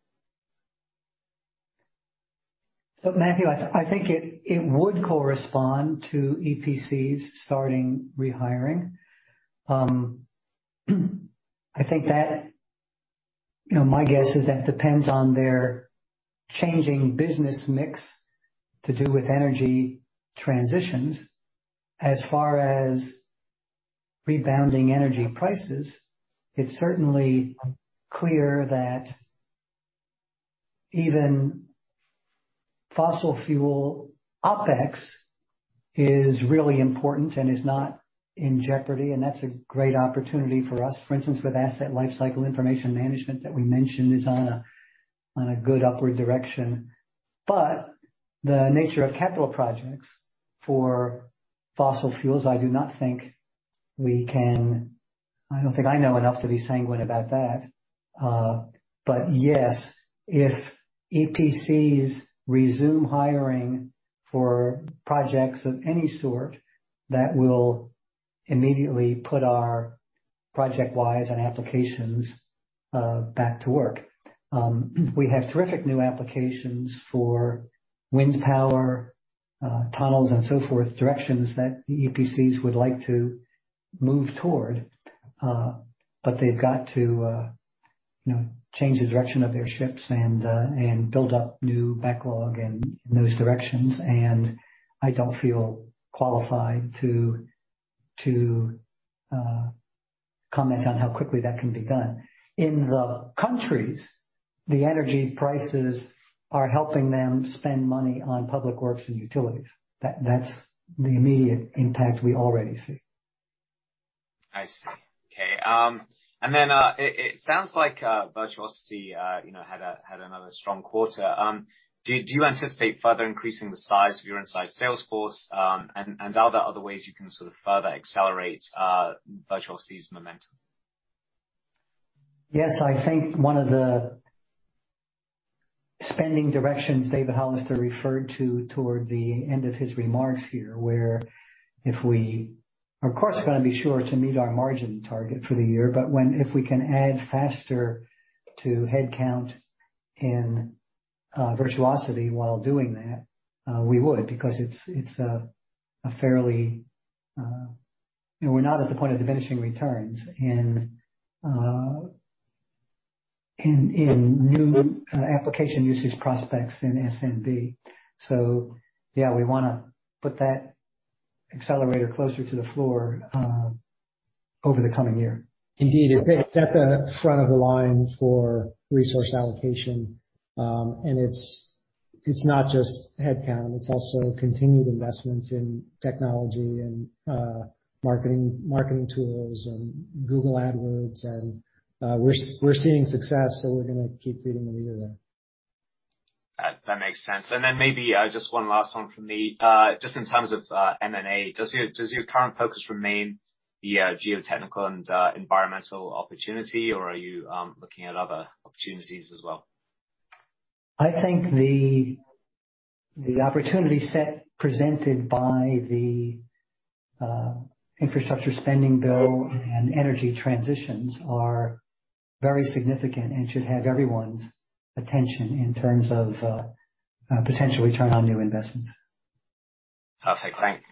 Matthew, I think it would correspond to EPCs starting rehiring. I think that you know, my guess is that depends on their changing business mix to do with energy transitions. As far as rebounding energy prices, it's certainly clear that even fossil fuel OpEx is really important and is not in jeopardy, and that's a great opportunity for us. For instance, with asset lifecycle information management that we mentioned is on a good upward direction. The nature of capital projects for fossil fuels, I don't think I know enough to be sanguine about that. Yes, if EPCs resume hiring for projects of any sort, that will immediately put our ProjectWise and applications back to work. We have terrific new applications for wind power, tunnels and so forth, directions that EPCs would like to move toward, but they've got to, you know, change the direction of their ships and build up new backlog in those directions. I don't feel qualified to comment on how quickly that can be done. In the countries, the energy prices are helping them spend money on public works and utilities. That's the immediate impact we already see. I see. Okay. It sounds like Virtuosity, you know, had another strong quarter. Do you anticipate further increasing the size of your inside sales force? Are there other ways you can sort of further accelerate Virtuosity's momentum? Yes. I think one of the spending directions David Hollister referred to toward the end of his remarks here, where if we of course are gonna be sure to meet our margin target for the year, but if we can add faster to headcount in Virtuosity while doing that, we would because it's a fairly. You know, we're not at the point of diminishing returns in new application usage prospects in SMB. So yeah, we wanna put that accelerator closer to the floor over the coming year. Indeed. It's at the front of the line for resource allocation. It's not just headcount, it's also continued investments in technology and marketing tools and Google AdWords. We're seeing success, so we're gonna keep feeding the meter there. That makes sense. Maybe just one last one from me. Just in terms of M&A, does your current focus remain the geotechnical and environmental opportunity, or are you looking at other opportunities as well? I think the opportunity set presented by the infrastructure spending bill and energy transitions are very significant and should have everyone's attention in terms of potential return on new investments. Perfect.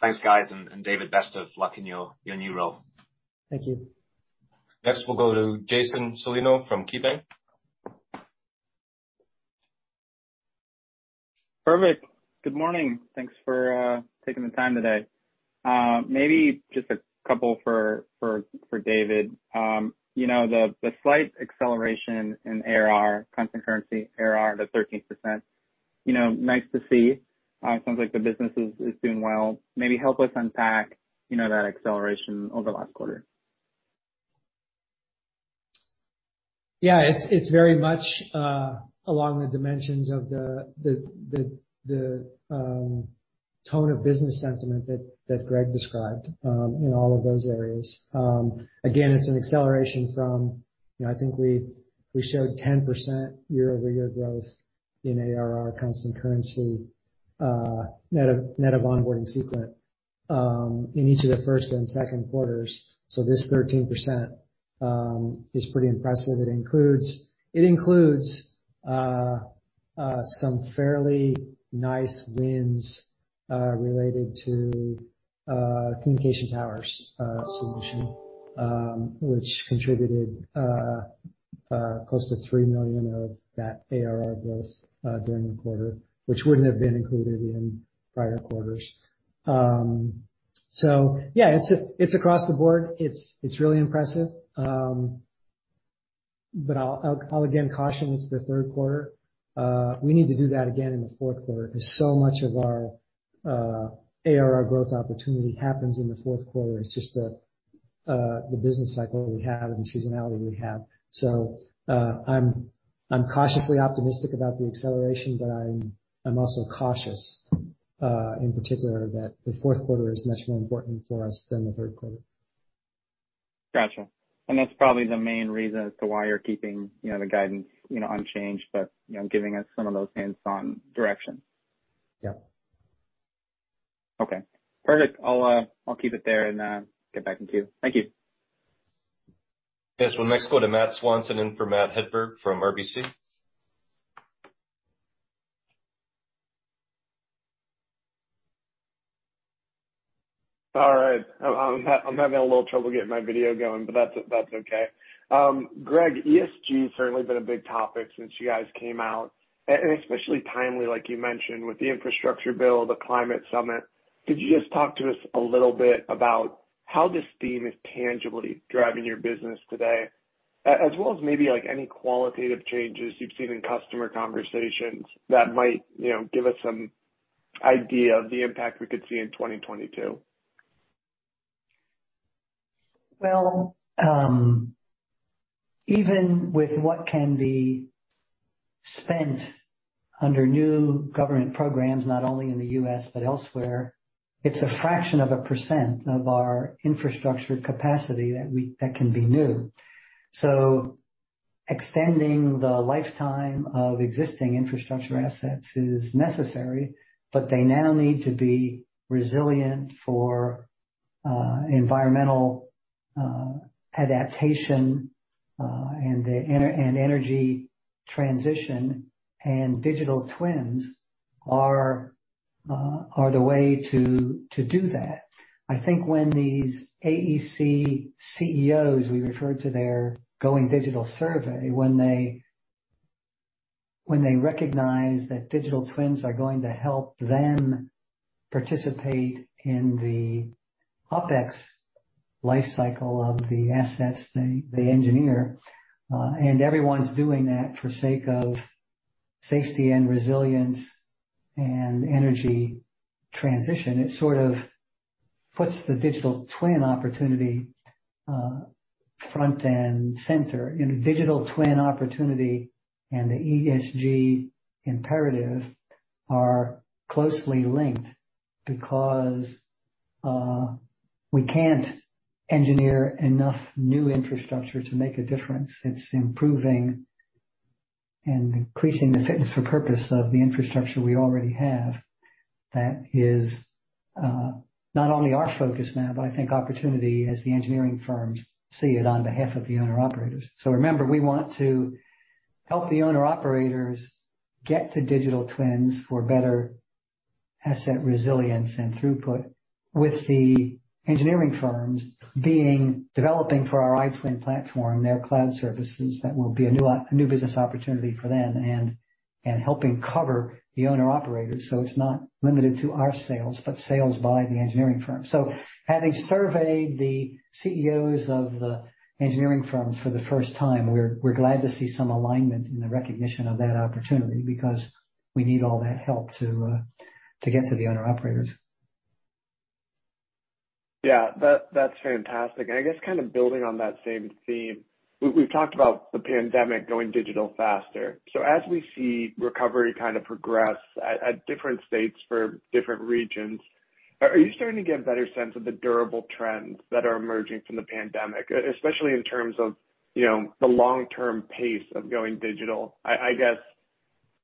Thanks, guys. David, best of luck in your new role. Thank you. Next, we'll go to Jason Celino from KeyBanc. Perfect. Good morning. Thanks for taking the time today. Maybe just a couple for David. You know, the slight acceleration in ARR, constant currency ARR, the 13%, you know, nice to see. It sounds like the business is doing well. Maybe help us unpack, you know, that acceleration over the last quarter. Yeah. It's very much along the dimensions of the tone of business sentiment that Greg described in all of those areas. Again, it's an acceleration from, you know, I think we showed 10% year-over-year growth in ARR constant currency, net of onboarding Seequent, in each of the first and second quarters. This 13% is pretty impressive. It includes some fairly nice wins related to communication towers solution, which contributed close to $3 million of that ARR growth during the quarter, which wouldn't have been included in prior quarters. Yeah, it's across the board. It's really impressive. But I'll again caution it's the third quarter. We need to do that again in the fourth quarter 'cause so much of our ARR growth opportunity happens in the fourth quarter. It's just the business cycle we have and seasonality we have. I'm cautiously optimistic about the acceleration, but I'm also cautious in particular that the fourth quarter is much more important for us than the third quarter. Gotcha. That's probably the main reason as to why you're keeping, you know, the guidance, you know, unchanged, but, you know, giving us some of those hints on direction. Yeah. Okay, perfect. I'll keep it there and get back in queue. Thank you. Yes. We'll next go to Matt Swanson in for Matt Hedberg from RBC. All right. I'm having a little trouble getting my video going, but that's okay. Greg, ESG's certainly been a big topic since you guys came out, and especially timely, like you mentioned, with the infrastructure bill, the climate summit. Could you just talk to us a little bit about how this theme is tangibly driving your business today, as well as maybe like any qualitative changes you've seen in customer conversations that might, you know, give us some idea of the impact we could see in 2022? Well, even with what can be spent under new government programs, not only in the U.S., but elsewhere, it's a fraction of a percent of our infrastructure capacity that can be new. Extending the lifetime of existing infrastructure assets is necessary, but they now need to be resilient for environmental adaptation and the energy transition and digital twins are the way to do that. I think when these AEC CEOs we refer to their Going Digital survey, when they recognize that digital twins are going to help them participate in the OpEx life cycle of the assets they engineer, and everyone's doing that for sake of safety and resilience and energy transition, it sort of puts the digital twin opportunity front and center. You know, digital twin opportunity and the ESG imperative are closely linked because we can't engineer enough new infrastructure to make a difference. It's improving and increasing the fitness for purpose of the infrastructure we already have that is not only our focus now, but I think opportunity as the engineering firms see it on behalf of the owner-operators. Remember, we want to help the owner-operators get to digital twins for better asset resilience and throughput with the engineering firms developing for our iTwin platform, their cloud services that will be a new business opportunity for them and helping cover the owner-operators. It's not limited to our sales, but sales by the engineering firm. Having surveyed the CEOs of the engineering firms for the first time, we're glad to see some alignment in the recognition of that opportunity because we need all that help to get to the owner-operators. Yeah. That's fantastic. I guess kind of building on that same theme, we've talked about the pandemic going digital faster. As we see recovery kind of progress at different states for different regions, are you starting to get a better sense of the durable trends that are emerging from the pandemic, especially in terms of, you know, the long-term pace of going digital? I guess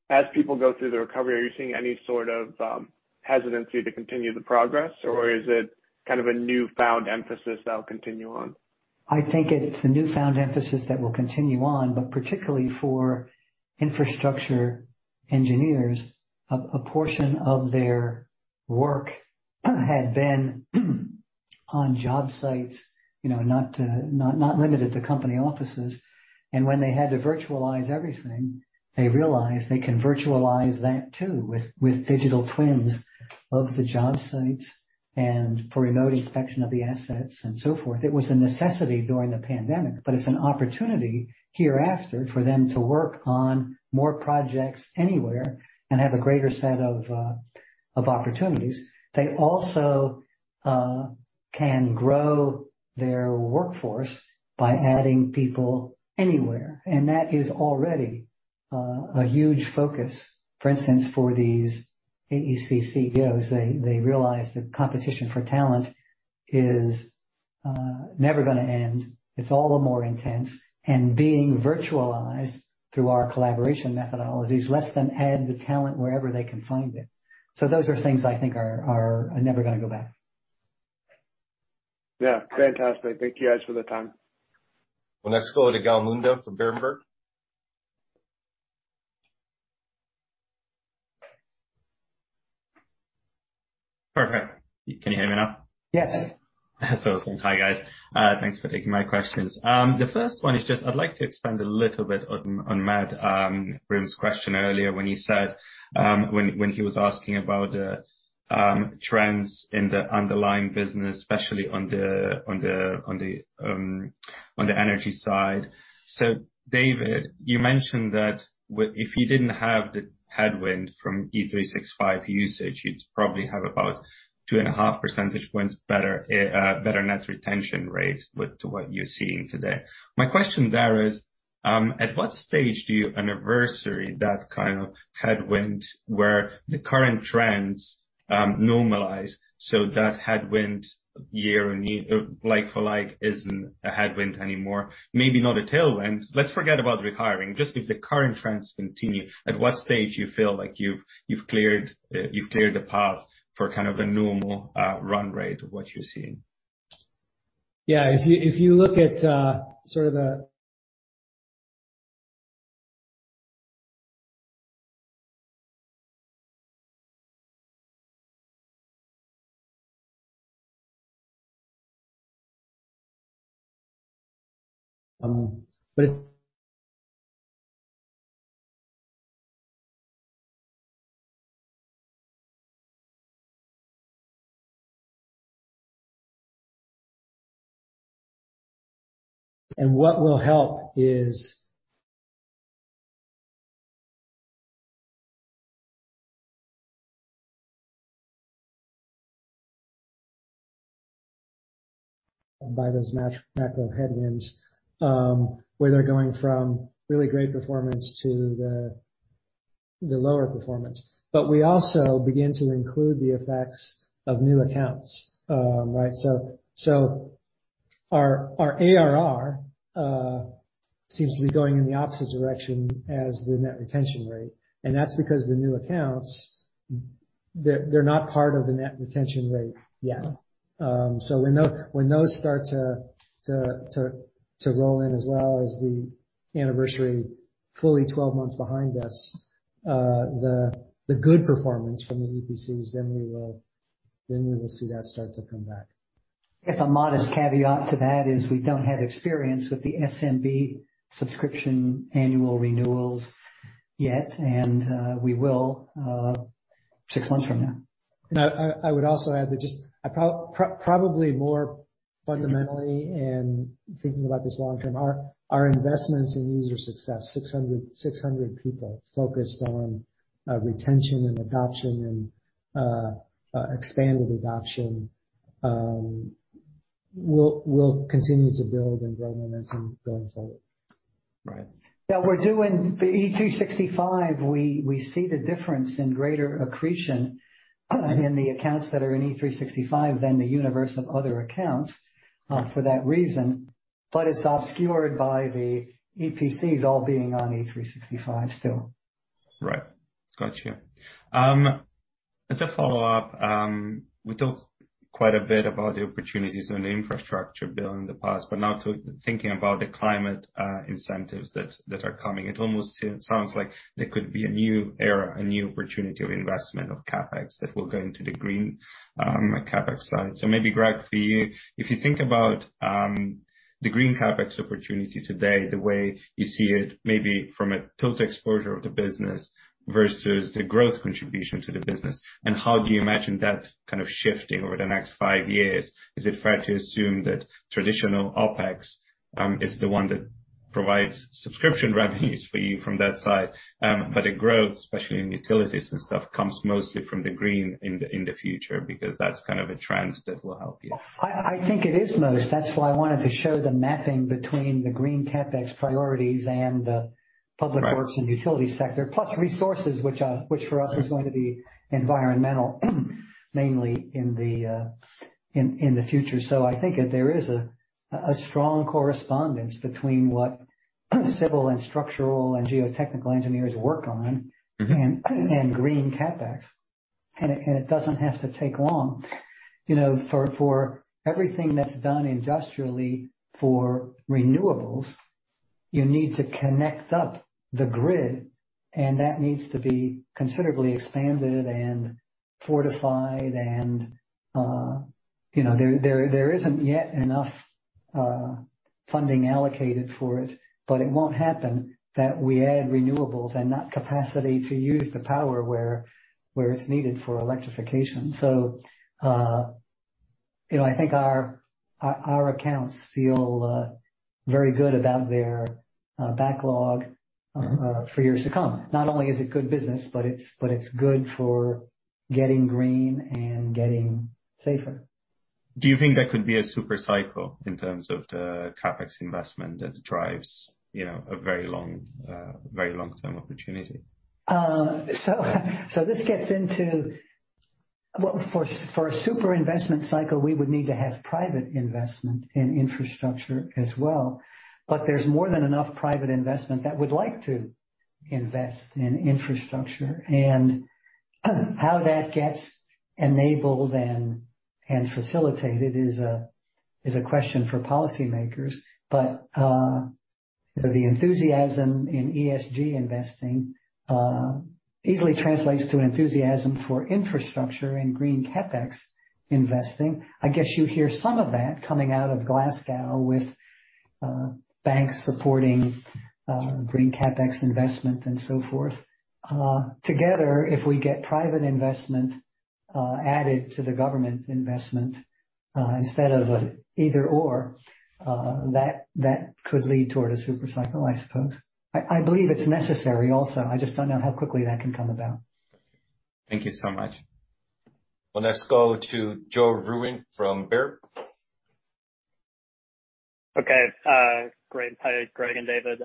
as people go through the recovery, are you seeing any sort of hesitancy to continue the progress, or is it kind of a newfound emphasis that'll continue on? I think it's a newfound emphasis that will continue on, but particularly for infrastructure engineers. A portion of their work had been on job sites, you know, not limited to company offices, and when they had to virtualize everything, they realized they can virtualize that too with digital twins of the job sites and for remote inspection of the assets and so forth. It was a necessity during the pandemic, but it's an opportunity hereafter for them to work on more projects anywhere and have a greater set of opportunities. They also can grow their workforce by adding people anywhere, and that is already a huge focus, for instance, for these AEC CEOs. They realize the competition for talent is never gonna end. It's all the more intense and being virtualized through our collaboration methodologies lets them add the talent wherever they can find it. Those are things I think are never gonna go back. Yeah. Fantastic. Thank you guys for the time. We'll next go to Gal Munda from Berenberg. Perfect. Can you hear me now? Yes. That's awesome. Hi, guys. Thanks for taking my questions. The first one is just I'd like to expand a little bit on Matt Broome's question earlier when he said when he was asking about the trends in the underlying business, especially on the energy side. David, you mentioned that if you didn't have the headwind from E365 usage, you'd probably have about 2.5 percentage points better net retention rate than what you're seeing today. My question there is at what stage do you anniversary that kind of headwind where the current trends normalize so that headwind year-on-year like-for-like isn't a headwind anymore? Maybe not a tailwind. Let's forget about re-rating. Just if the current trends continue, at what stage do you feel like you've cleared the path for kind of a normal run rate of what you're seeing? If you look at sort of the macro headwinds, where they're going from really great performance to the lower performance. We also begin to include the effects of new accounts, right? Our ARR seems to be going in the opposite direction as the net retention rate, and that's because the new accounts, they're not part of the net retention rate yet. When those start to roll in as well as we anniversary fully 12 months behind us, the good performance from the EPCs, then we will see that start to come back. I guess a modest caveat to that is we don't have experience with the SMB subscription annual renewals yet, and we will six months from now. I would also add that just probably more fundamentally in thinking about this long term, our investments in user success, 600 people focused on retention and adoption and expanded adoption, will continue to build and grow momentum going forward. Right. Now we're doing the E365, we see the difference in greater accretion in the accounts that are in E365 than the universe of other accounts, for that reason, but it's obscured by the EPCs all being on E365 still. Right. Gotcha. As a follow-up, we talked quite a bit about the opportunities on the infrastructure bill in the past, but now to thinking about the climate incentives that are coming, it almost sounds like there could be a new era, a new opportunity of investment of CapEx that will go into the green CapEx side. Maybe, Greg, for you, if you think about the green CapEx opportunity today, the way you see it maybe from a tilt exposure of the business versus the growth contribution to the business, and how do you imagine that kind of shifting over the next five years? Is it fair to assume that traditional OpEx is the one that provides subscription revenues for you from that side? The growth, especially in utilities and stuff, comes mostly from the green in the future because that's kind of a trend that will help you. I think it is most. That's why I wanted to show the mapping between the green CapEx priorities and the- Right. public works and utility sector, plus resources, which for us is going to be environmental mainly in the future. I think that there is a strong correspondence between what civil and structural and geotechnical engineers work on Mm-hmm. Green CapEx. It doesn't have to take long. You know, for everything that's done industrially for renewables, you need to connect up the grid, and that needs to be considerably expanded and fortified and, you know, there isn't yet enough funding allocated for it. It won't happen that we add renewables and not capacity to use the power where it's needed for electrification. You know, I think our accounts feel very good about their backlog for years to come. Not only is it good business, but it's good for getting green and getting safer. Do you think there could be a super cycle in terms of the CapEx investment that drives, you know, a very long-term opportunity? For a super investment cycle, we would need to have private investment in infrastructure as well. There's more than enough private investment that would like to invest in infrastructure. How that gets enabled and facilitated is a question for policymakers, but the enthusiasm in ESG investing easily translates to enthusiasm for infrastructure and green CapEx investing. I guess you hear some of that coming out of Glasgow with banks supporting green CapEx investment and so forth. Together, if we get private investment added to the government investment instead of an either/or, that could lead toward a super cycle, I suppose. I believe it's necessary also. I just don't know how quickly that can come about. Thank you so much. Well, let's go to Joe Vruwink from Baird. Okay. Great. Hi, Greg and David.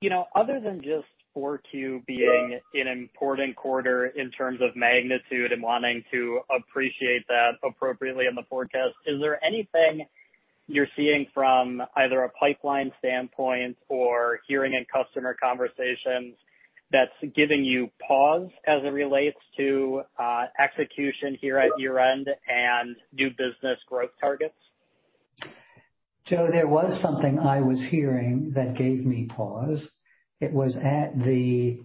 You know, other than just Q4 being an important quarter in terms of magnitude and wanting to appreciate that appropriately in the forecast, is there anything you're seeing from either a pipeline standpoint or hearing in customer conversations that's giving you pause as it relates to execution here at year-end and new business growth targets? Joe, there was something I was hearing that gave me pause. It was at the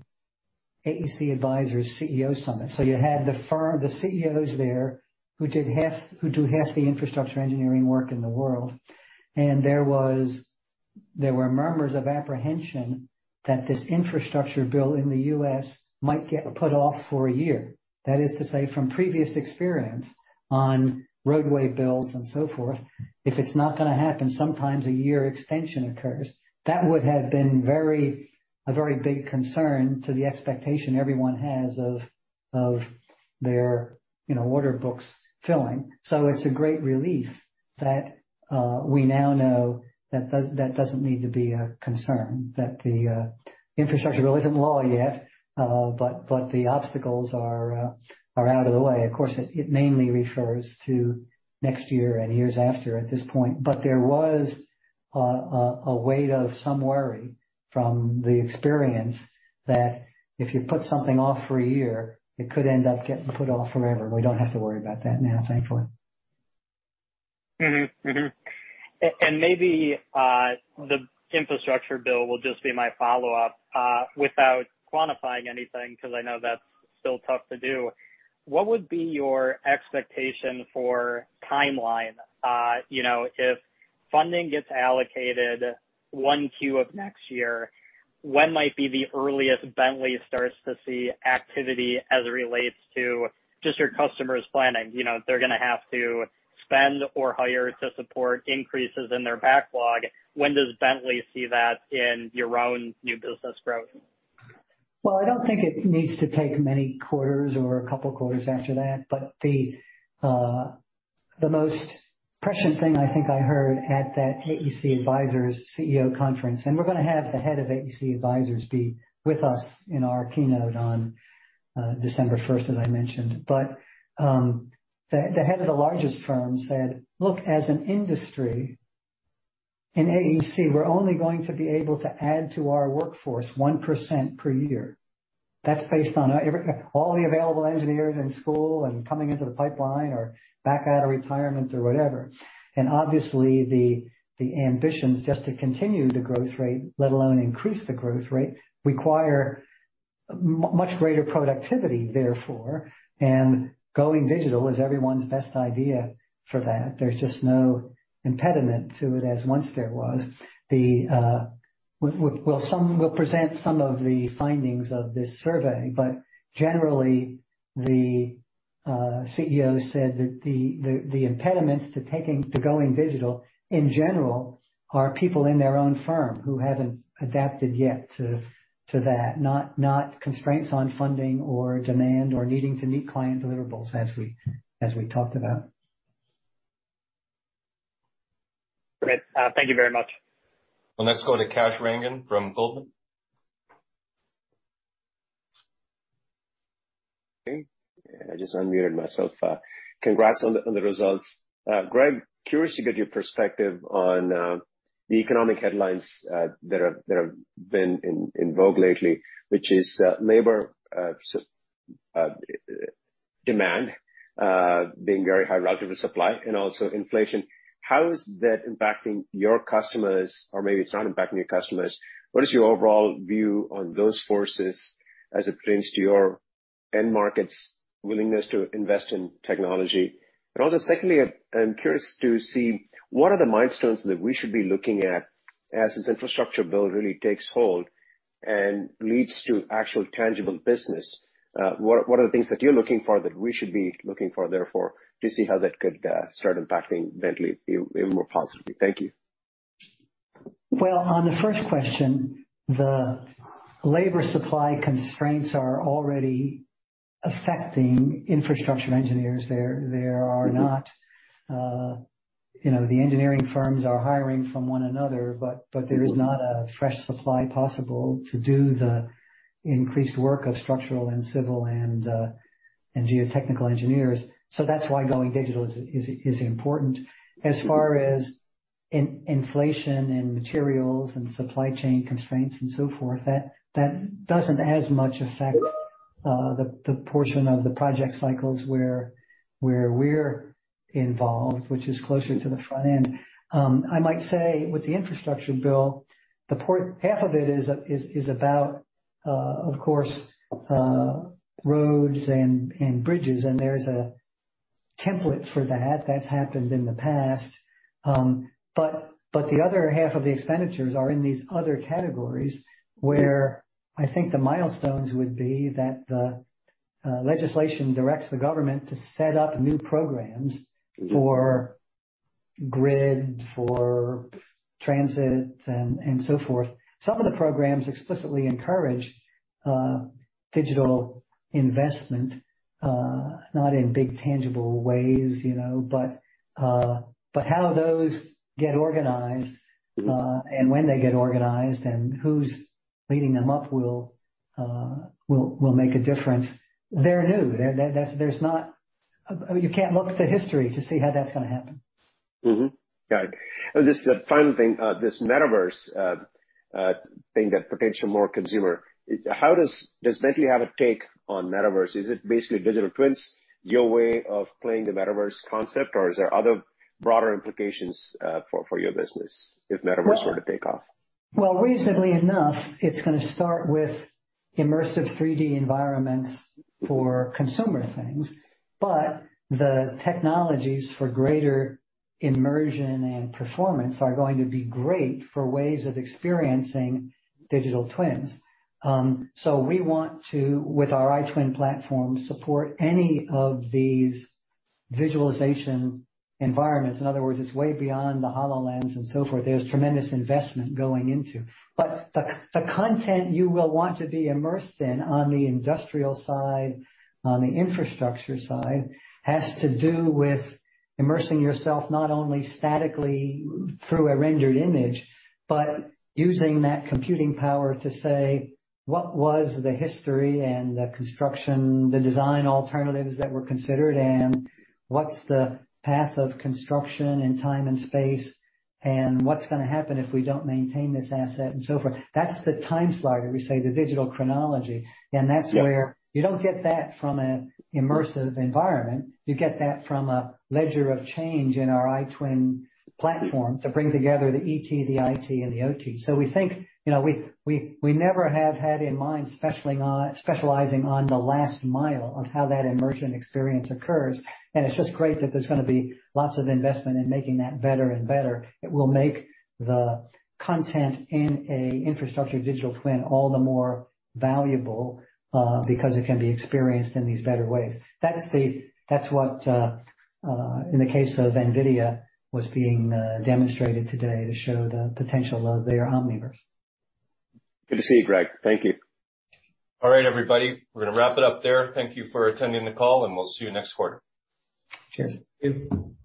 AEC Advisors' CEO Summit. You had the CEOs there who do half the infrastructure engineering work in the world. There were murmurs of apprehension that this infrastructure bill in the U.S. might get put off for a year. That is to say, from previous experience on roadway bills and so forth, if it's not gonna happen, sometimes a year extension occurs. That would have been a very big concern to the expectation everyone has of their, you know, order books filling. It's a great relief that we now know that doesn't need to be a concern, that the infrastructure bill isn't law yet, but the obstacles are out of the way. Of course, it mainly refers to next year and years after at this point. There was a weight of some worry from the experience that if you put something off for a year, it could end up getting put off forever. We don't have to worry about that now, thankfully. Maybe the infrastructure bill will just be my follow-up. Without quantifying anything, 'cause I know that's still tough to do, what would be your expectation for timeline? You know, if funding gets allocated 1Q of next year, when might be the earliest Bentley starts to see activity as it relates to just your customers planning? You know, they're gonna have to spend or hire to support increases in their backlog. When does Bentley see that in your own new business growth? Well, I don't think it needs to take many quarters or a couple quarters after that. The most prescient thing I think I heard at that AEC Advisors CEO conference, and we're gonna have the head of AEC Advisors be with us in our keynote on December first, as I mentioned. The head of the largest firm said, "Look, as an industry in AEC, we're only going to be able to add to our workforce 1% per year." That's based on all the available engineers in school and coming into the pipeline or back out of retirement or whatever. Obviously, the ambitions just to continue the growth rate, let alone increase the growth rate, require much greater productivity, therefore. Going digital is everyone's best idea for that. There's just no impediment to it as once there was. We'll present some of the findings of this survey, but generally, the CEO said that the impediments to going digital, in general, are people in their own firm who haven't adapted yet to that, not constraints on funding or demand or needing to meet client deliverables, as we talked about. Great. Thank you very much. Well, let's go to Kash Rangan from Goldman. Okay. I just unmuted myself. Congrats on the results. Greg, curious to get your perspective on the economic headlines that have been in vogue lately, which is labor demand being very high relative to supply and also inflation. How is that impacting your customers? Or maybe it's not impacting your customers. What is your overall view on those forces as it pertains to your end markets' willingness to invest in technology? Also secondly, I'm curious to see what are the milestones that we should be looking at as this infrastructure bill really takes hold and leads to actual tangible business. What are the things that you're looking for that we should be looking for therefore to see how that could start impacting Bentley even more positively? Thank you. Well, on the first question, the labor supply constraints are already affecting infrastructure engineers. There are not, you know, the engineering firms are hiring from one another, but there is not a fresh supply possible to do the increased work of structural and civil and geotechnical engineers. That's why going digital is important. As far as inflation and materials and supply chain constraints and so forth, that doesn't as much affect the portion of the project cycles where we're involved, which is closer to the front end. I might say with the infrastructure bill, half of it is about, of course, roads and bridges, and there's a template for that. That's happened in the past. The other half of the expenditures are in these other categories, where I think the milestones would be that the legislation directs the government to set up new programs for grid, for transit and so forth. Some of the programs explicitly encourage digital investment, not in big tangible ways, you know, but how those get organized and when they get organized and who's leading them up will make a difference. They're new. There's not. You can't look to history to see how that's gonna happen. Mm-hmm. Got it. Just a final thing, this Metaverse thing that has potential more consumer. Does Bentley have a take on Metaverse? Is it basically digital twins, your way of playing the Metaverse concept, or is there other broader implications for your business if Metaverse were to take off? Well, reasonably enough, it's gonna start with immersive 3D environments for consumer things. The technologies for greater immersion and performance are going to be great for ways of experiencing digital twins. We want to, with our iTwin platform, support any of these visualization environments. In other words, it's way beyond the HoloLens and so forth. There's tremendous investment going into. The content you will want to be immersed in on the industrial side, on the infrastructure side, has to do with immersing yourself not only statically through a rendered image, but using that computing power to say, what was the history and the construction, the design alternatives that were considered, and what's the path of construction in time and space, and what's gonna happen if we don't maintain this asset and so forth. That's the time slider. We say the digital chronology. That's where. Yeah. You don't get that from an immersive environment. You get that from a ledger of change in our iTwin platform to bring together the ET, the IT, and the OT. We think, you know, we never have had in mind specializing on the last mile of how that immersion experience occurs. It's just great that there's gonna be lots of investment in making that better and better. It will make the content in an infrastructure digital twin all the more valuable, because it can be experienced in these better ways. That's what, in the case of NVIDIA, was being demonstrated today to show the potential of their Omniverse. Good to see you, Greg. Thank you. All right, everybody. We're gonna wrap it up there. Thank you for attending the call, and we'll see you next quarter. Cheers. Thank you.